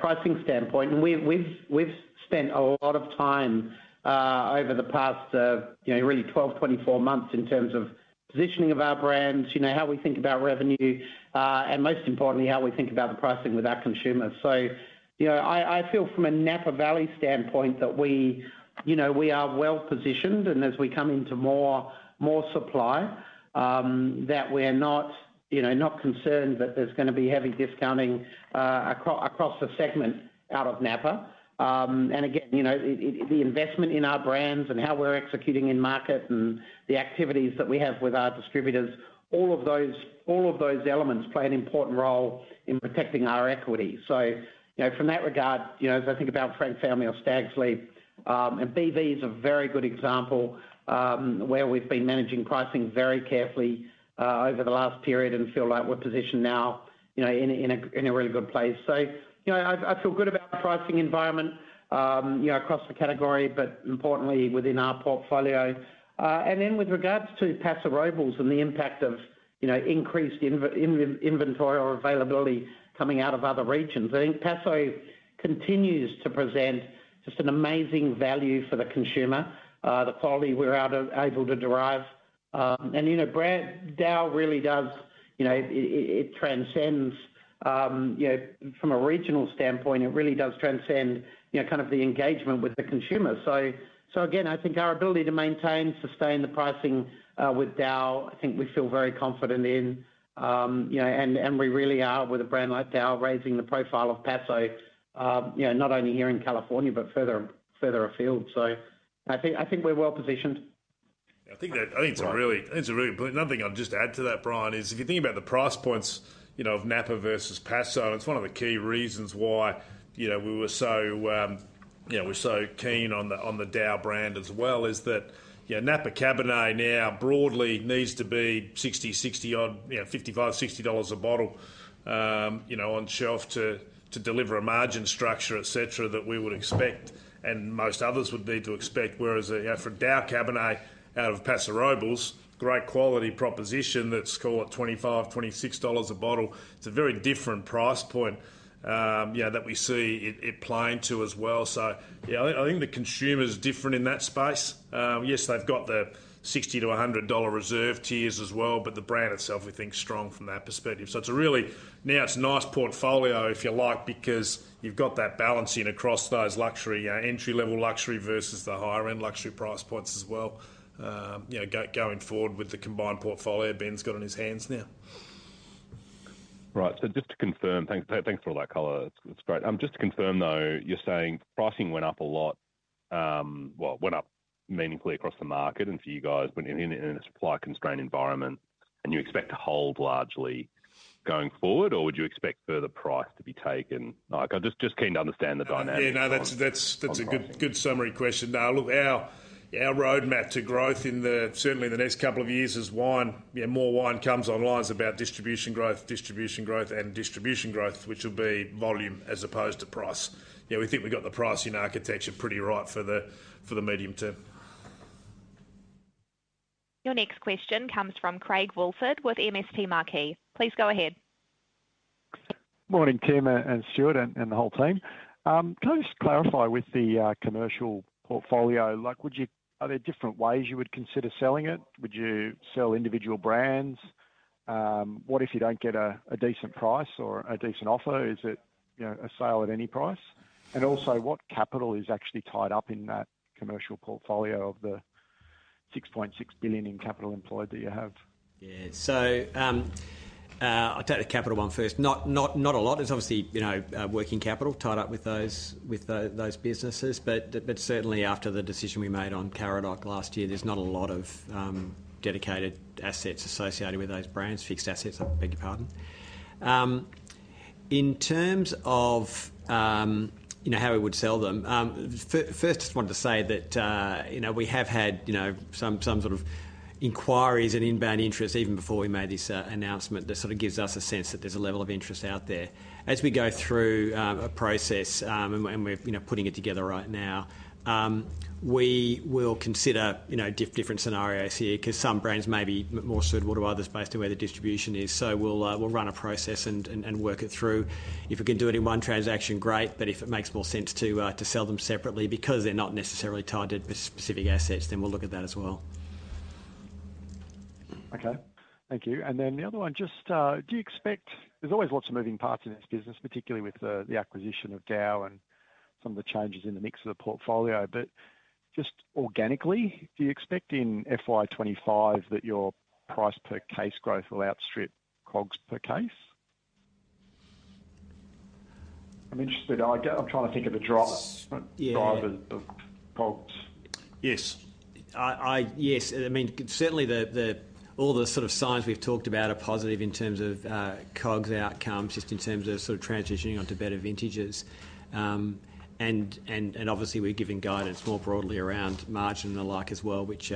pricing standpoint, and we've spent a lot of time over the past, you know, really 12 months, 24 months in terms of positioning of our brands, you know, how we think about revenue, and most importantly, how we think about the pricing with our consumers. So, you know, I feel from a Napa Valley standpoint that we, you know, we are well positioned, and as we come into more supply, that we're not, you know, not concerned that there's going to be heavy discounting, across the segment out of Napa. And again, you know, the investment in our brands and how we're executing in market and the activities that we have with our distributors, all of those, all of those elements play an important role in protecting our equity. So, you know, from that regard, you know, as I think about Frank Family or Stags' Leap, and BV is a very good example, where we've been managing pricing very carefully over the last period and feel like we're positioned now, you know, in a really good place. So, you know, I feel good about the pricing environment, you know, across the category, but importantly within our portfolio. And then with regards to Paso Robles and the impact of, you know, increased inventory or availability coming out of other regions, I think Paso continues to present just an amazing value for the consumer. The quality we're able to derive. And, you know, brand, DAOU really does, you know, it, it, it transcends, you know, from a regional standpoint, it really does transcend, you know, kind of the engagement with the consumer. So, so again, I think our ability to maintain, sustain the pricing, with DAOU, I think we feel very confident in, you know, and, and we really are, with a brand like DAOU, raising the profile of Paso, you know, not only here in California, but further, further afield. So I think, I think we're well positioned. I think that- Right. Another thing I'll just add to that, Bryan, is if you think about the price points, you know, of Napa versus Paso, it's one of the key reasons why, you know, we were so, you know, we're so keen on the, on the DAOU brand as well, is that, you know, Napa Cabernet now broadly needs to be 60, 60-odd, you know, $55-$60 a bottle, you know, on shelf to, to deliver a margin structure, et cetera, that we would expect and most others would need to expect. Whereas, you know, for a DAOU Cabernet out of Paso Robles, great quality proposition, that's, call it $25-$26 a bottle. It's a very different price point, you know, that we see it, it playing to as well. So, yeah, I, I think the consumer is different in that space. Yes, they've got the $60-$100 reserve tiers as well, but the brand itself we think is strong from that perspective. So it's a really, now it's a nice portfolio, if you like, because you've got that balancing across those luxury, entry-level luxury versus the higher-end luxury price points as well. You know, going forward with the combined portfolio Ben's got on his hands now. Right. So just to confirm, thanks, thanks for all that color. It's, it's great. Just to confirm, though, you're saying pricing went up a lot, well, went up meaningfully across the market and for you guys, but in a, in a supply-constrained environment, and you expect to hold largely going forward, or would you expect further price to be taken? Like, I'm just, just keen to understand the dynamics- Yeah. on pricing. No, that's a good summary question. Now, look, our roadmap to growth in the, certainly in the next couple of years as wine, you know, more wine comes online, is about distribution growth, distribution growth, and distribution growth, which will be volume as opposed to price. You know, we think we've got the pricing architecture pretty right for the medium term. Your next question comes from Craig Woolford with MST Marquee. Please go ahead. Morning, team, and Stuart and the whole team. Can I just clarify with the commercial portfolio, like, would you—are there different ways you would consider selling it? Would you sell individual brands? What if you don't get a decent price or a decent offer? Is it, you know, a sale at any price? And also, what capital is actually tied up in that commercial portfolio of the 6.6 billion in capital employed that you have? Yeah. So, I'll take the capital one first. Not, not, not a lot. There's obviously, you know, working capital tied up with those, with those businesses. But, but certainly, after the decision we made on Karadoc last year, there's not a lot of, dedicated assets associated with those brands, fixed assets. I beg your pardon. In terms of, you know, how we would sell them, first, just wanted to say that, you know, we have had, you know, some, some sort of inquiries and inbound interest even before we made this, announcement. That sort of gives us a sense that there's a level of interest out there. As we go through a process, and we're, you know, putting it together right now, we will consider, you know, different scenarios here, because some brands may be more suitable to others based on where the distribution is. So we'll run a process and work it through. If we can do it in one transaction, great, but if it makes more sense to sell them separately because they're not necessarily tied to specific assets, then we'll look at that as well. Okay. Thank you. And then the other one, just, do you expect— There's always lots of moving parts in this business, particularly with the, the acquisition of DAOU and some of the changes in the mix of the portfolio. But just organically, do you expect in Fiscal Year 2025 that your price per case growth will outstrip COGS per case? I'm interested. I'm trying to think of a drop- Yeah. drive of COGS. Yes. I mean, certainly all the sort of signs we've talked about are positive in terms of COGS outcomes, just in terms of sort of transitioning onto better vintages. And obviously, we're giving guidance more broadly around margin and the like as well, which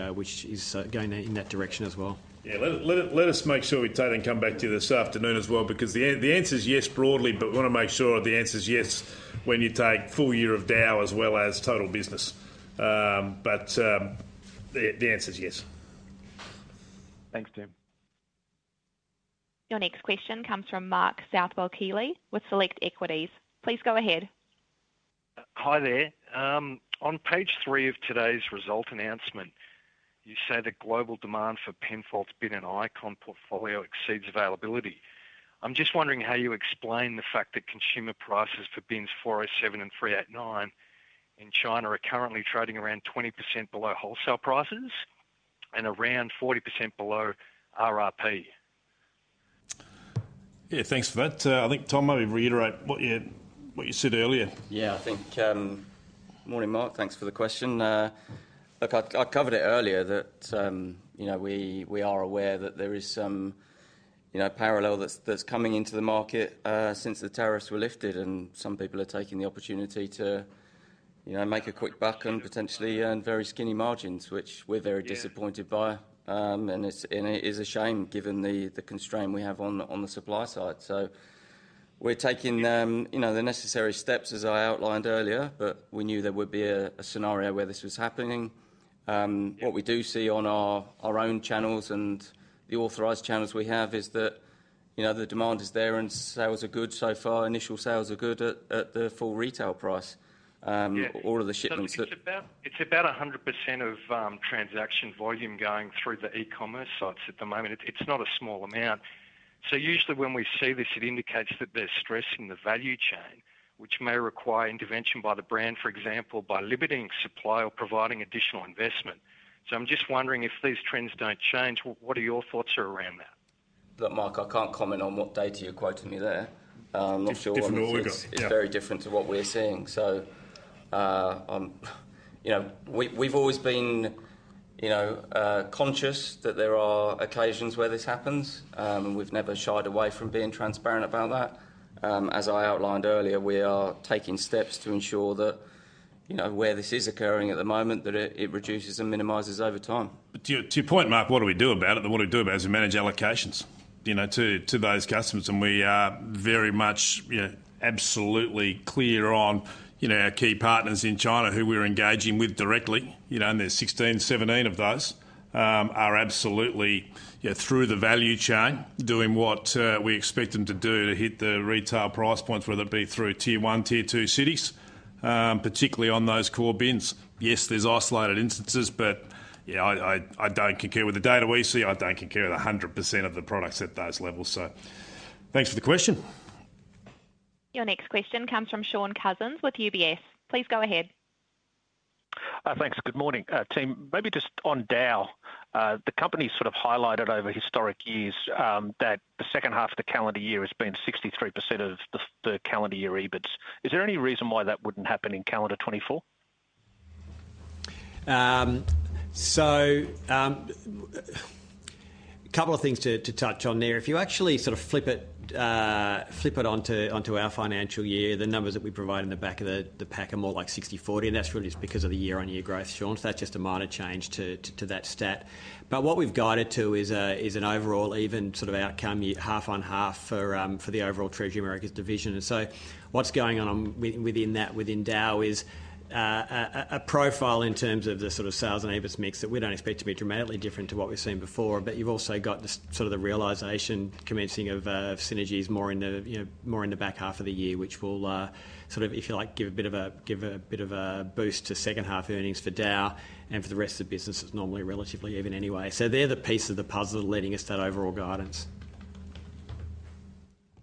is going in that direction as well. Yeah, let us make sure we take and come back to you this afternoon as well, because the answer is yes, broadly, but we want to make sure the answer is yes when you take full year of DAOU as well as total business. But the answer is yes. Thanks, Tim. Your next question comes from Mark Southwell-Keely with Select Equities. Please go ahead. Hi there. On page three of today's result announcement, you say that global demand for Penfolds Bin and Icon portfolio exceeds availability. I'm just wondering how you explain the fact that consumer prices for Bin 407 and Bin 389 in China are currently trading around 20% below wholesale prices and around 40% below RRP? Yeah, thanks for that. I think, Tom, maybe reiterate what you said earlier. Yeah, I think, Morning, Mark. Thanks for the question. Look, I, I covered it earlier that, you know, we, we are aware that there is some, you know, parallel that's, that's coming into the market, since the tariffs were lifted, and some people are taking the opportunity to, you know, make a quick buck and potentially earn very skinny margins, which we're very disappointed by. Yeah. It is a shame given the constraint we have on the supply side. So we're taking, you know, the necessary steps, as I outlined earlier, but we knew there would be a scenario where this was happening. What we do see on our own channels and the authorized channels we have is that, you know, the demand is there and sales are good so far. Initial sales are good at the full retail price, all of the shipments that- It's about, it's about 100% of transaction volume going through the e-commerce sites at the moment. It's not a small amount. So usually when we see this, it indicates that they're stressing the value chain, which may require intervention by the brand, for example, by limiting supply or providing additional investment. So I'm just wondering, if these trends don't change, what are your thoughts around that? Look, Mark, I can't comment on what data you're quoting me there. I'm not sure- Different logo. It's very different to what we're seeing. So, you know, we, we've always been, you know, conscious that there are occasions where this happens, and we've never shied away from being transparent about that. As I outlined earlier, we are taking steps to ensure that, you know, where this is occurring at the moment, that it, it reduces and minimizes over time. But to your point, Mark, what do we do about it? What we do about it is we manage allocations, you know, to those customers, and we are very much, you know, absolutely clear on, you know, our key partners in China who we're engaging with directly. You know, and there's 16, 17 of those, are absolutely, you know, through the value chain, doing what we expect them to do to hit the retail price points, whether it be through tier one, tier two cities, particularly on those core bins. Yes, there's isolated instances, but yeah, I don't concur with the data we see. I don't concur with 100% of the products at those levels, so thanks for the question. Your next question comes from Shaun Cousens with UBS. Please go ahead. Thanks. Good morning, team. Maybe just on DAOU. The company sort of highlighted over historic years, that the second half of the calendar year has been 63% of the calendar year EBITS. Is there any reason why that wouldn't happen in calendar 2024? So, a couple of things to touch on there. If you actually sort of flip it, flip it onto, onto our financial year, the numbers that we provide in the back of the pack are more like 60/40, and that's really just because of the year-on-year growth, Shaun. So that's just a minor change to that stat. But what we've guided to is an overall even sort of outcome, half on half for the overall Treasury Americas division. And so what's going on within that, within DAOUU, is a profile in terms of the sort of sales and EBITS mix that we don't expect to be dramatically different to what we've seen before. But you've also got the sort of the realization commencing of synergies more in the, you know, more in the back half of the year, which will sort of, if you like, give a bit of a, give a bit of a boost to second half earnings for DAOU and for the rest of the business that's normally relatively even anyway. So they're the piece of the puzzle leading us to that overall guidance.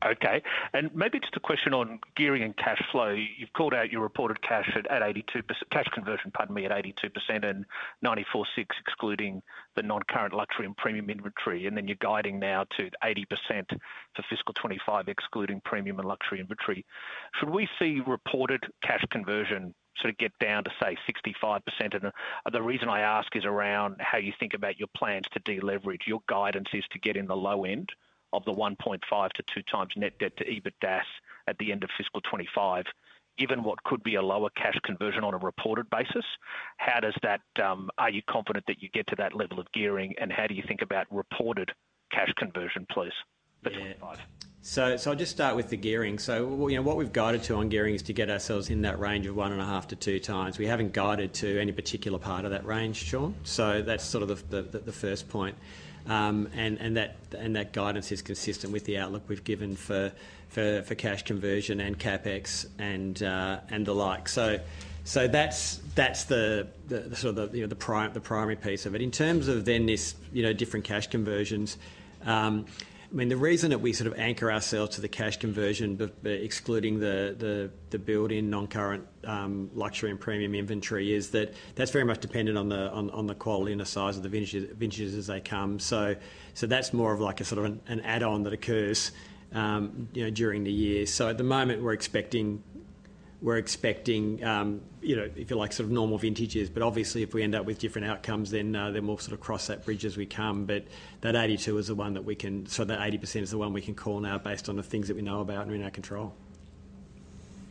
Okay. And maybe just a question on gearing and cash flow. You've called out your reported cash at 82%, cash conversion, pardon me, at 82% and 94.6%, excluding the non-current luxury and premium inventory, and then you're guiding now to 80% for fiscal 2025, excluding premium and luxury inventory. Should we see reported cash conversion sort of get down to, say, 65%? And the reason I ask is around how you think about your plans to deleverage. Your guidance is to get in the low end of the 1.5x-2x net debt to EBITDA at the end of fiscal 2025. Given what could be a lower cash conversion on a reported basis, how does that, are you confident that you get to that level of gearing, and how do you think about reported cash conversion, please, for 2025? So, I'll just start with the gearing. So you know, what we've guided to on gearing is to get ourselves in that range of 1.5x-2x. We haven't guided to any particular part of that range, Shaun. So that's sort of the first point. And that guidance is consistent with the outlook we've given for cash conversion and CapEx and the like. So that's the sort of you know, the primary piece of it. In terms of then this, you know, different cash conversions, I mean, the reason that we sort of anchor ourselves to the cash conversion, but excluding the build in non-current luxury and premium inventory, is that that's very much dependent on the quality and the size of the vintages as they come. So that's more of like a sort of an add-on that occurs, you know, during the year. So at the moment, we're expecting, you know, if you like, sort of normal vintages, but obviously, if we end up with different outcomes, then we'll sort of cross that bridge as we come. But that 82% is the one that we can, so that 80% is the one we can call now based on the things that we know about and are in our control.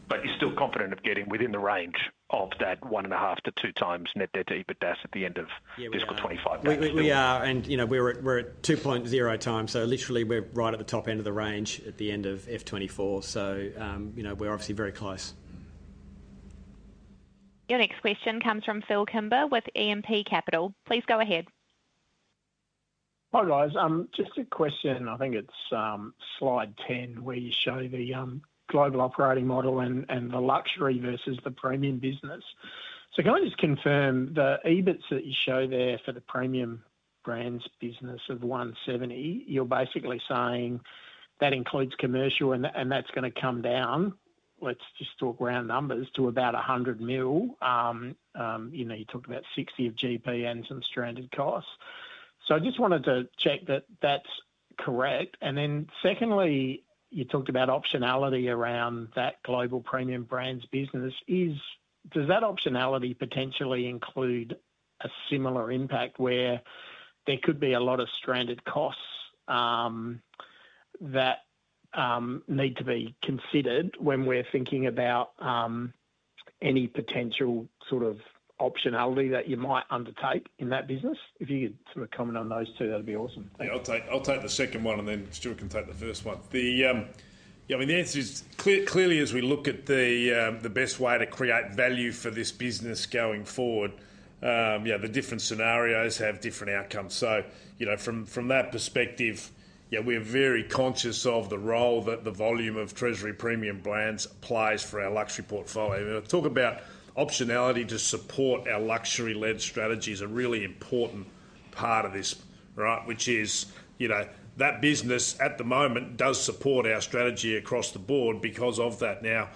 But you're still confident of getting within the range of that 1.5x-2x net debt to EBITDA at the end of- Yeah, we are. Fiscal 2025? We are, and, you know, we're at 2.0x, so literally we're right at the top end of the range at the end of F 2024. So, you know, we're obviously very close. Your next question comes from Phil Kimber with E&P Capital. Please go ahead. Hi, guys. Just a question. I think it's slide 10, where you show the global operating model and the luxury versus the premium business. So can I just confirm the EBITS that you show there for the premium brands business of 170, you're basically saying that includes commercial and that's gonna come down, let's just talk round numbers, to about 100 million. You know, you talked about 60 million of GP and some stranded costs. So I just wanted to check that that's correct. And then secondly, you talked about optionality around that global premium brands business. Does that optionality potentially include a similar impact where there could be a lot of stranded costs that need to be considered when we're thinking about any potential sort of optionality that you might undertake in that business? If you could sort of comment on those two, that'd be awesome. I'll take, I'll take the second one, and then Stuart can take the first one. The yeah, I mean, the answer is clearly, as we look at the, the best way to create value for this business going forward, yeah, the different scenarios have different outcomes. So, you know, from that perspective, yeah, we're very conscious of the role that the volume of Treasury Premium Brands plays for our luxury portfolio. When I talk about optionality to support our luxury-led strategy is a really important part of this, right? Which is, you know, that business at the moment does support our strategy across the board because of that. Now,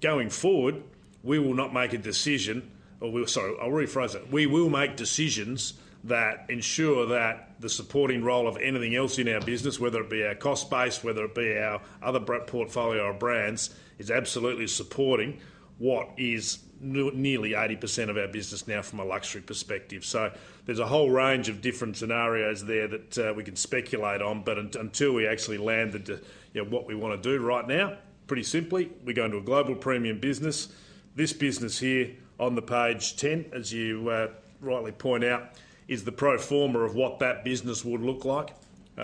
going forward, we will not make a decision or we-- Sorry, I'll rephrase that. We will make decisions that ensure that the supporting role of anything else in our business, whether it be our cost base, whether it be our other portfolio or brands, is absolutely supporting what is nearly 80% of our business now from a luxury perspective. So there's a whole range of different scenarios there that we can speculate on, but until we actually land at the, you know, what we want to do right now, pretty simply, we're going to a global premium business. This business here on the page 10, as you rightly point out, is the pro forma of what that business would look like, you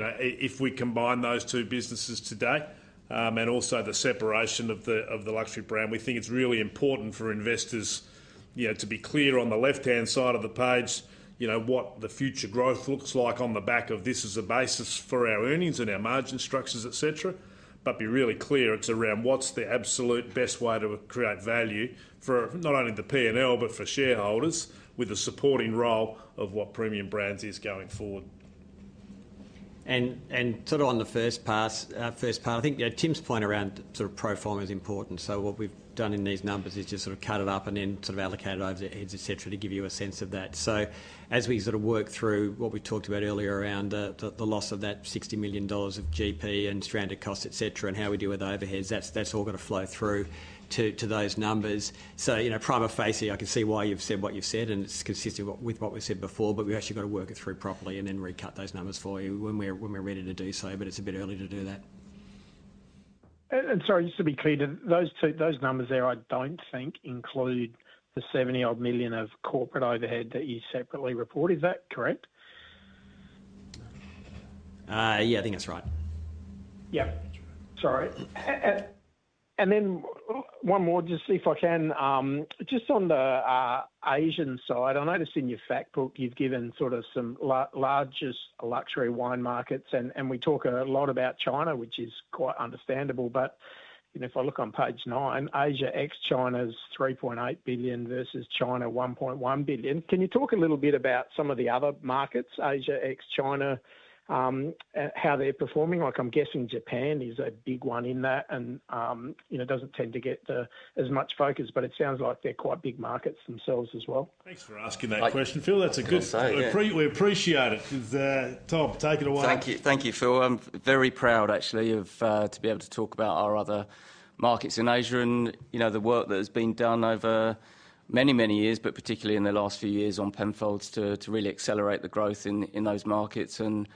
know, if we combine those two businesses today, and also the separation of the luxury brand. We think it's really important for investors, you know, to be clear on the left-hand side of the page, you know, what the future growth looks like on the back of this as a basis for our earnings and our margin structures, et cetera. But be really clear, it's around what's the absolute best way to create value for not only the P&L, but for shareholders, with the supporting role of what premium brands is going forward. And sort of on the first pass, first part, I think, yeah, Tim's point around sort of pro forma is important. So what we've done in these numbers is just sort of cut it up and then sort of allocated over the overheads, et cetera, to give you a sense of that. So as we sort of work through what we talked about earlier around the loss of that 60 million dollars of GP and stranded costs, et cetera, and how we deal with the overheads, that's all got to flow through to those numbers. So, you know, prima facie, I can see why you've said what you've said, and it's consistent with what we said before, but we've actually got to work it through properly and then recut those numbers for you when we're ready to do so, but it's a bit early to do that. Sorry, just to be clear, those two, those numbers there, I don't think include the 70 odd million of corporate overhead that you separately report. Is that correct? Yeah, I think that's right. Yep. Sorry. And then one more, just on the Asian side, I noticed in your fact book, you've given sort of some largest luxury wine markets, and we talk a lot about China, which is quite understandable, but you know, if I look on page nine, Asia ex China is $3.8 billion versus China $1.1 billion. Can you talk a little bit about some of the other markets, Asia ex China, how they're performing? Like, I'm guessing Japan is a big one in that and, you know, doesn't tend to get as much focus, but it sounds like they're quite big markets themselves as well. Thanks for asking that question, Phil. I- That's a good-... I'll say, yeah. We appreciate it. Tom, take it away. Thank you. Thank you, Phil. I'm very proud, actually, of to be able to talk about our other markets in Asia and, you know, the work that has been done over many, many years, but particularly in the last few years on Penfolds, to really accelerate the growth in those markets and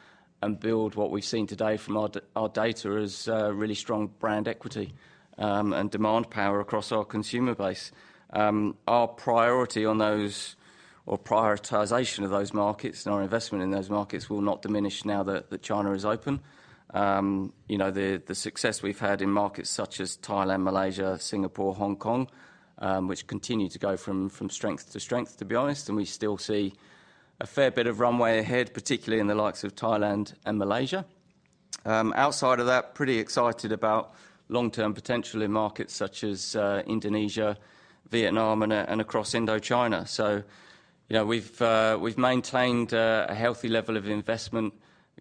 build what we've seen today from our data as really strong brand equity, and demand power across our consumer base. Our priority on those or prioritization of those markets and our investment in those markets will not diminish now that China is open. You know, the success we've had in markets such as Thailand, Malaysia, Singapore, Hong Kong, which continue to go from strength to strength, to be honest, and we still see a fair bit of runway ahead, particularly in the likes of Thailand and Malaysia. Outside of that, pretty excited about long-term potential in markets such as Indonesia, Vietnam, and across Indochina. So, you know, we've maintained a healthy level of investment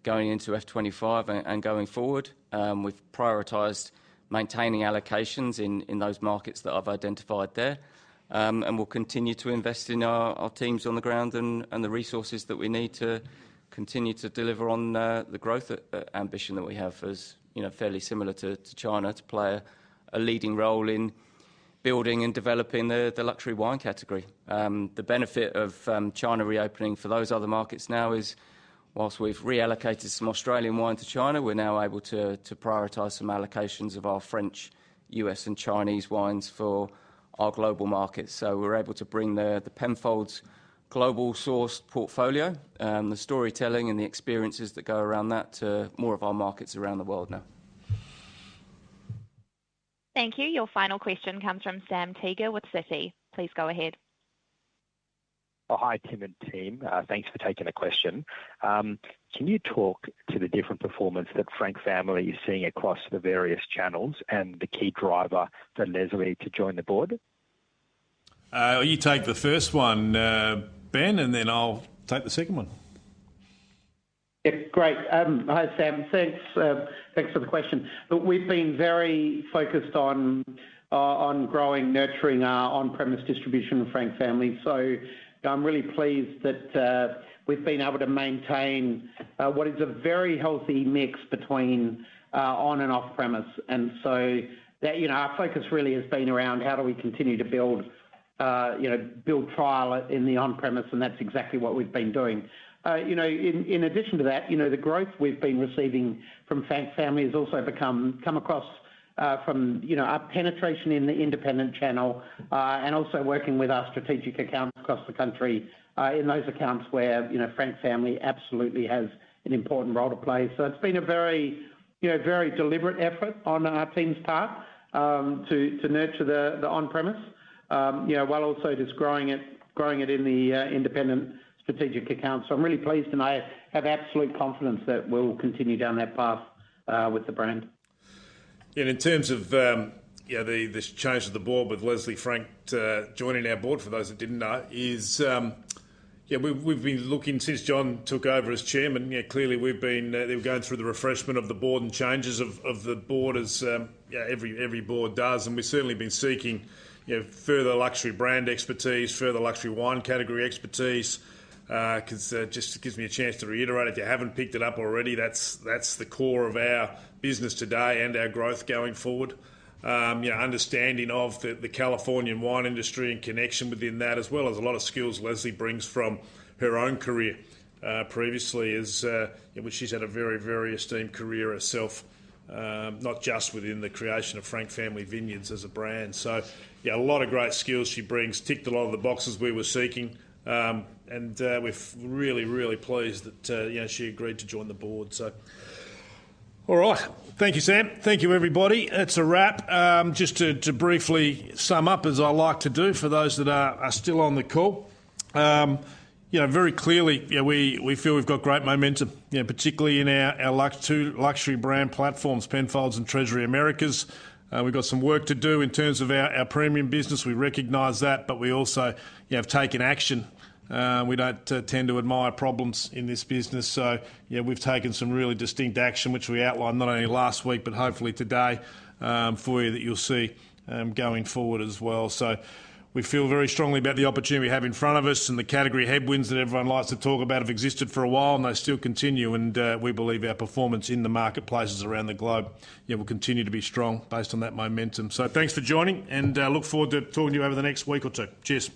going into Fiscal 2025 and going forward. We've prioritized maintaining allocations in those markets that I've identified there. We'll continue to invest in our teams on the ground and the resources that we need to continue to deliver on the growth ambition that we have as, you know, fairly similar to China, to play a leading role in building and developing the luxury wine category. The benefit of China reopening for those other markets now is, whilst we've reallocated some Australian wine to China, we're now able to prioritize some allocations of our French, U.S., and Chinese wines for our global markets. So we're able to bring the Penfolds global sourced portfolio, the storytelling and the experiences that go around that to more of our markets around the world now. Thank you. Your final question comes from Sam Teeger with Citi. Please go ahead. Oh, hi, Tim and team. Thanks for taking the question. Can you talk to the different performance that Frank Family is seeing across the various channels and the key driver for Leslie to join the board? You take the first one, Ben, and then I'll take the second one. Yeah, great. Hi, Sam. Thanks, thanks for the question. Look, we've been very focused on growing, nurturing our on-premise distribution with Frank Family. So I'm really pleased that we've been able to maintain what is a very healthy mix between on and off-premise. And so that, you know, our focus really has been around how do we continue to build, you know, build trial in the on-premise, and that's exactly what we've been doing. You know, in addition to that, you know, the growth we've been receiving from Frank Family has also come across from, you know, our penetration in the independent channel and also working with our strategic accounts across the country, in those accounts where, you know, Frank Family absolutely has an important role to play. So it's been a very, you know, very deliberate effort on our team's part to nurture the on-premise, you know, while also just growing it, growing it in the independent strategic account. So I'm really pleased, and I have absolute confidence that we'll continue down that path with the brand. And in terms of, you know, this change to the board with Leslie Frank joining our board, for those that didn't know, we've been looking since John took over as chairman. You know, clearly we've been going through the refreshment of the board and changes of the board as every board does, and we've certainly been seeking, you know, further luxury brand expertise, further luxury wine category expertise. 'Cause just gives me a chance to reiterate, if you haven't picked it up already, that's the core of our business today and our growth going forward. You know, understanding of the Californian wine industry and connection within that, as well as a lot of skills Leslie brings from her own career, previously, as... In which she's had a very, very esteemed career herself, not just within the creation of Frank Family Vineyards as a brand. So, yeah, a lot of great skills she brings, ticked a lot of the boxes we were seeking, and we're really, really pleased that, you know, she agreed to join the board. So all right. Thank you, Sam. Thank you, everybody. That's a wrap. Just to briefly sum up, as I like to do, for those that are still on the call. You know, very clearly, you know, we feel we've got great momentum, you know, particularly in our luxury brand platforms, Penfolds and Treasury Americas. We've got some work to do in terms of our premium business. We recognize that, but we also, you know, have taken action. We don't tend to admire problems in this business, so yeah, we've taken some really distinct action, which we outlined not only last week, but hopefully today, for you, that you'll see going forward as well. So we feel very strongly about the opportunity we have in front of us, and the category headwinds that everyone likes to talk about have existed for a while, and they still continue, and we believe our performance in the marketplaces around the globe, yeah, will continue to be strong based on that momentum. So thanks for joining, and look forward to talking to you over the next week or two. Cheers!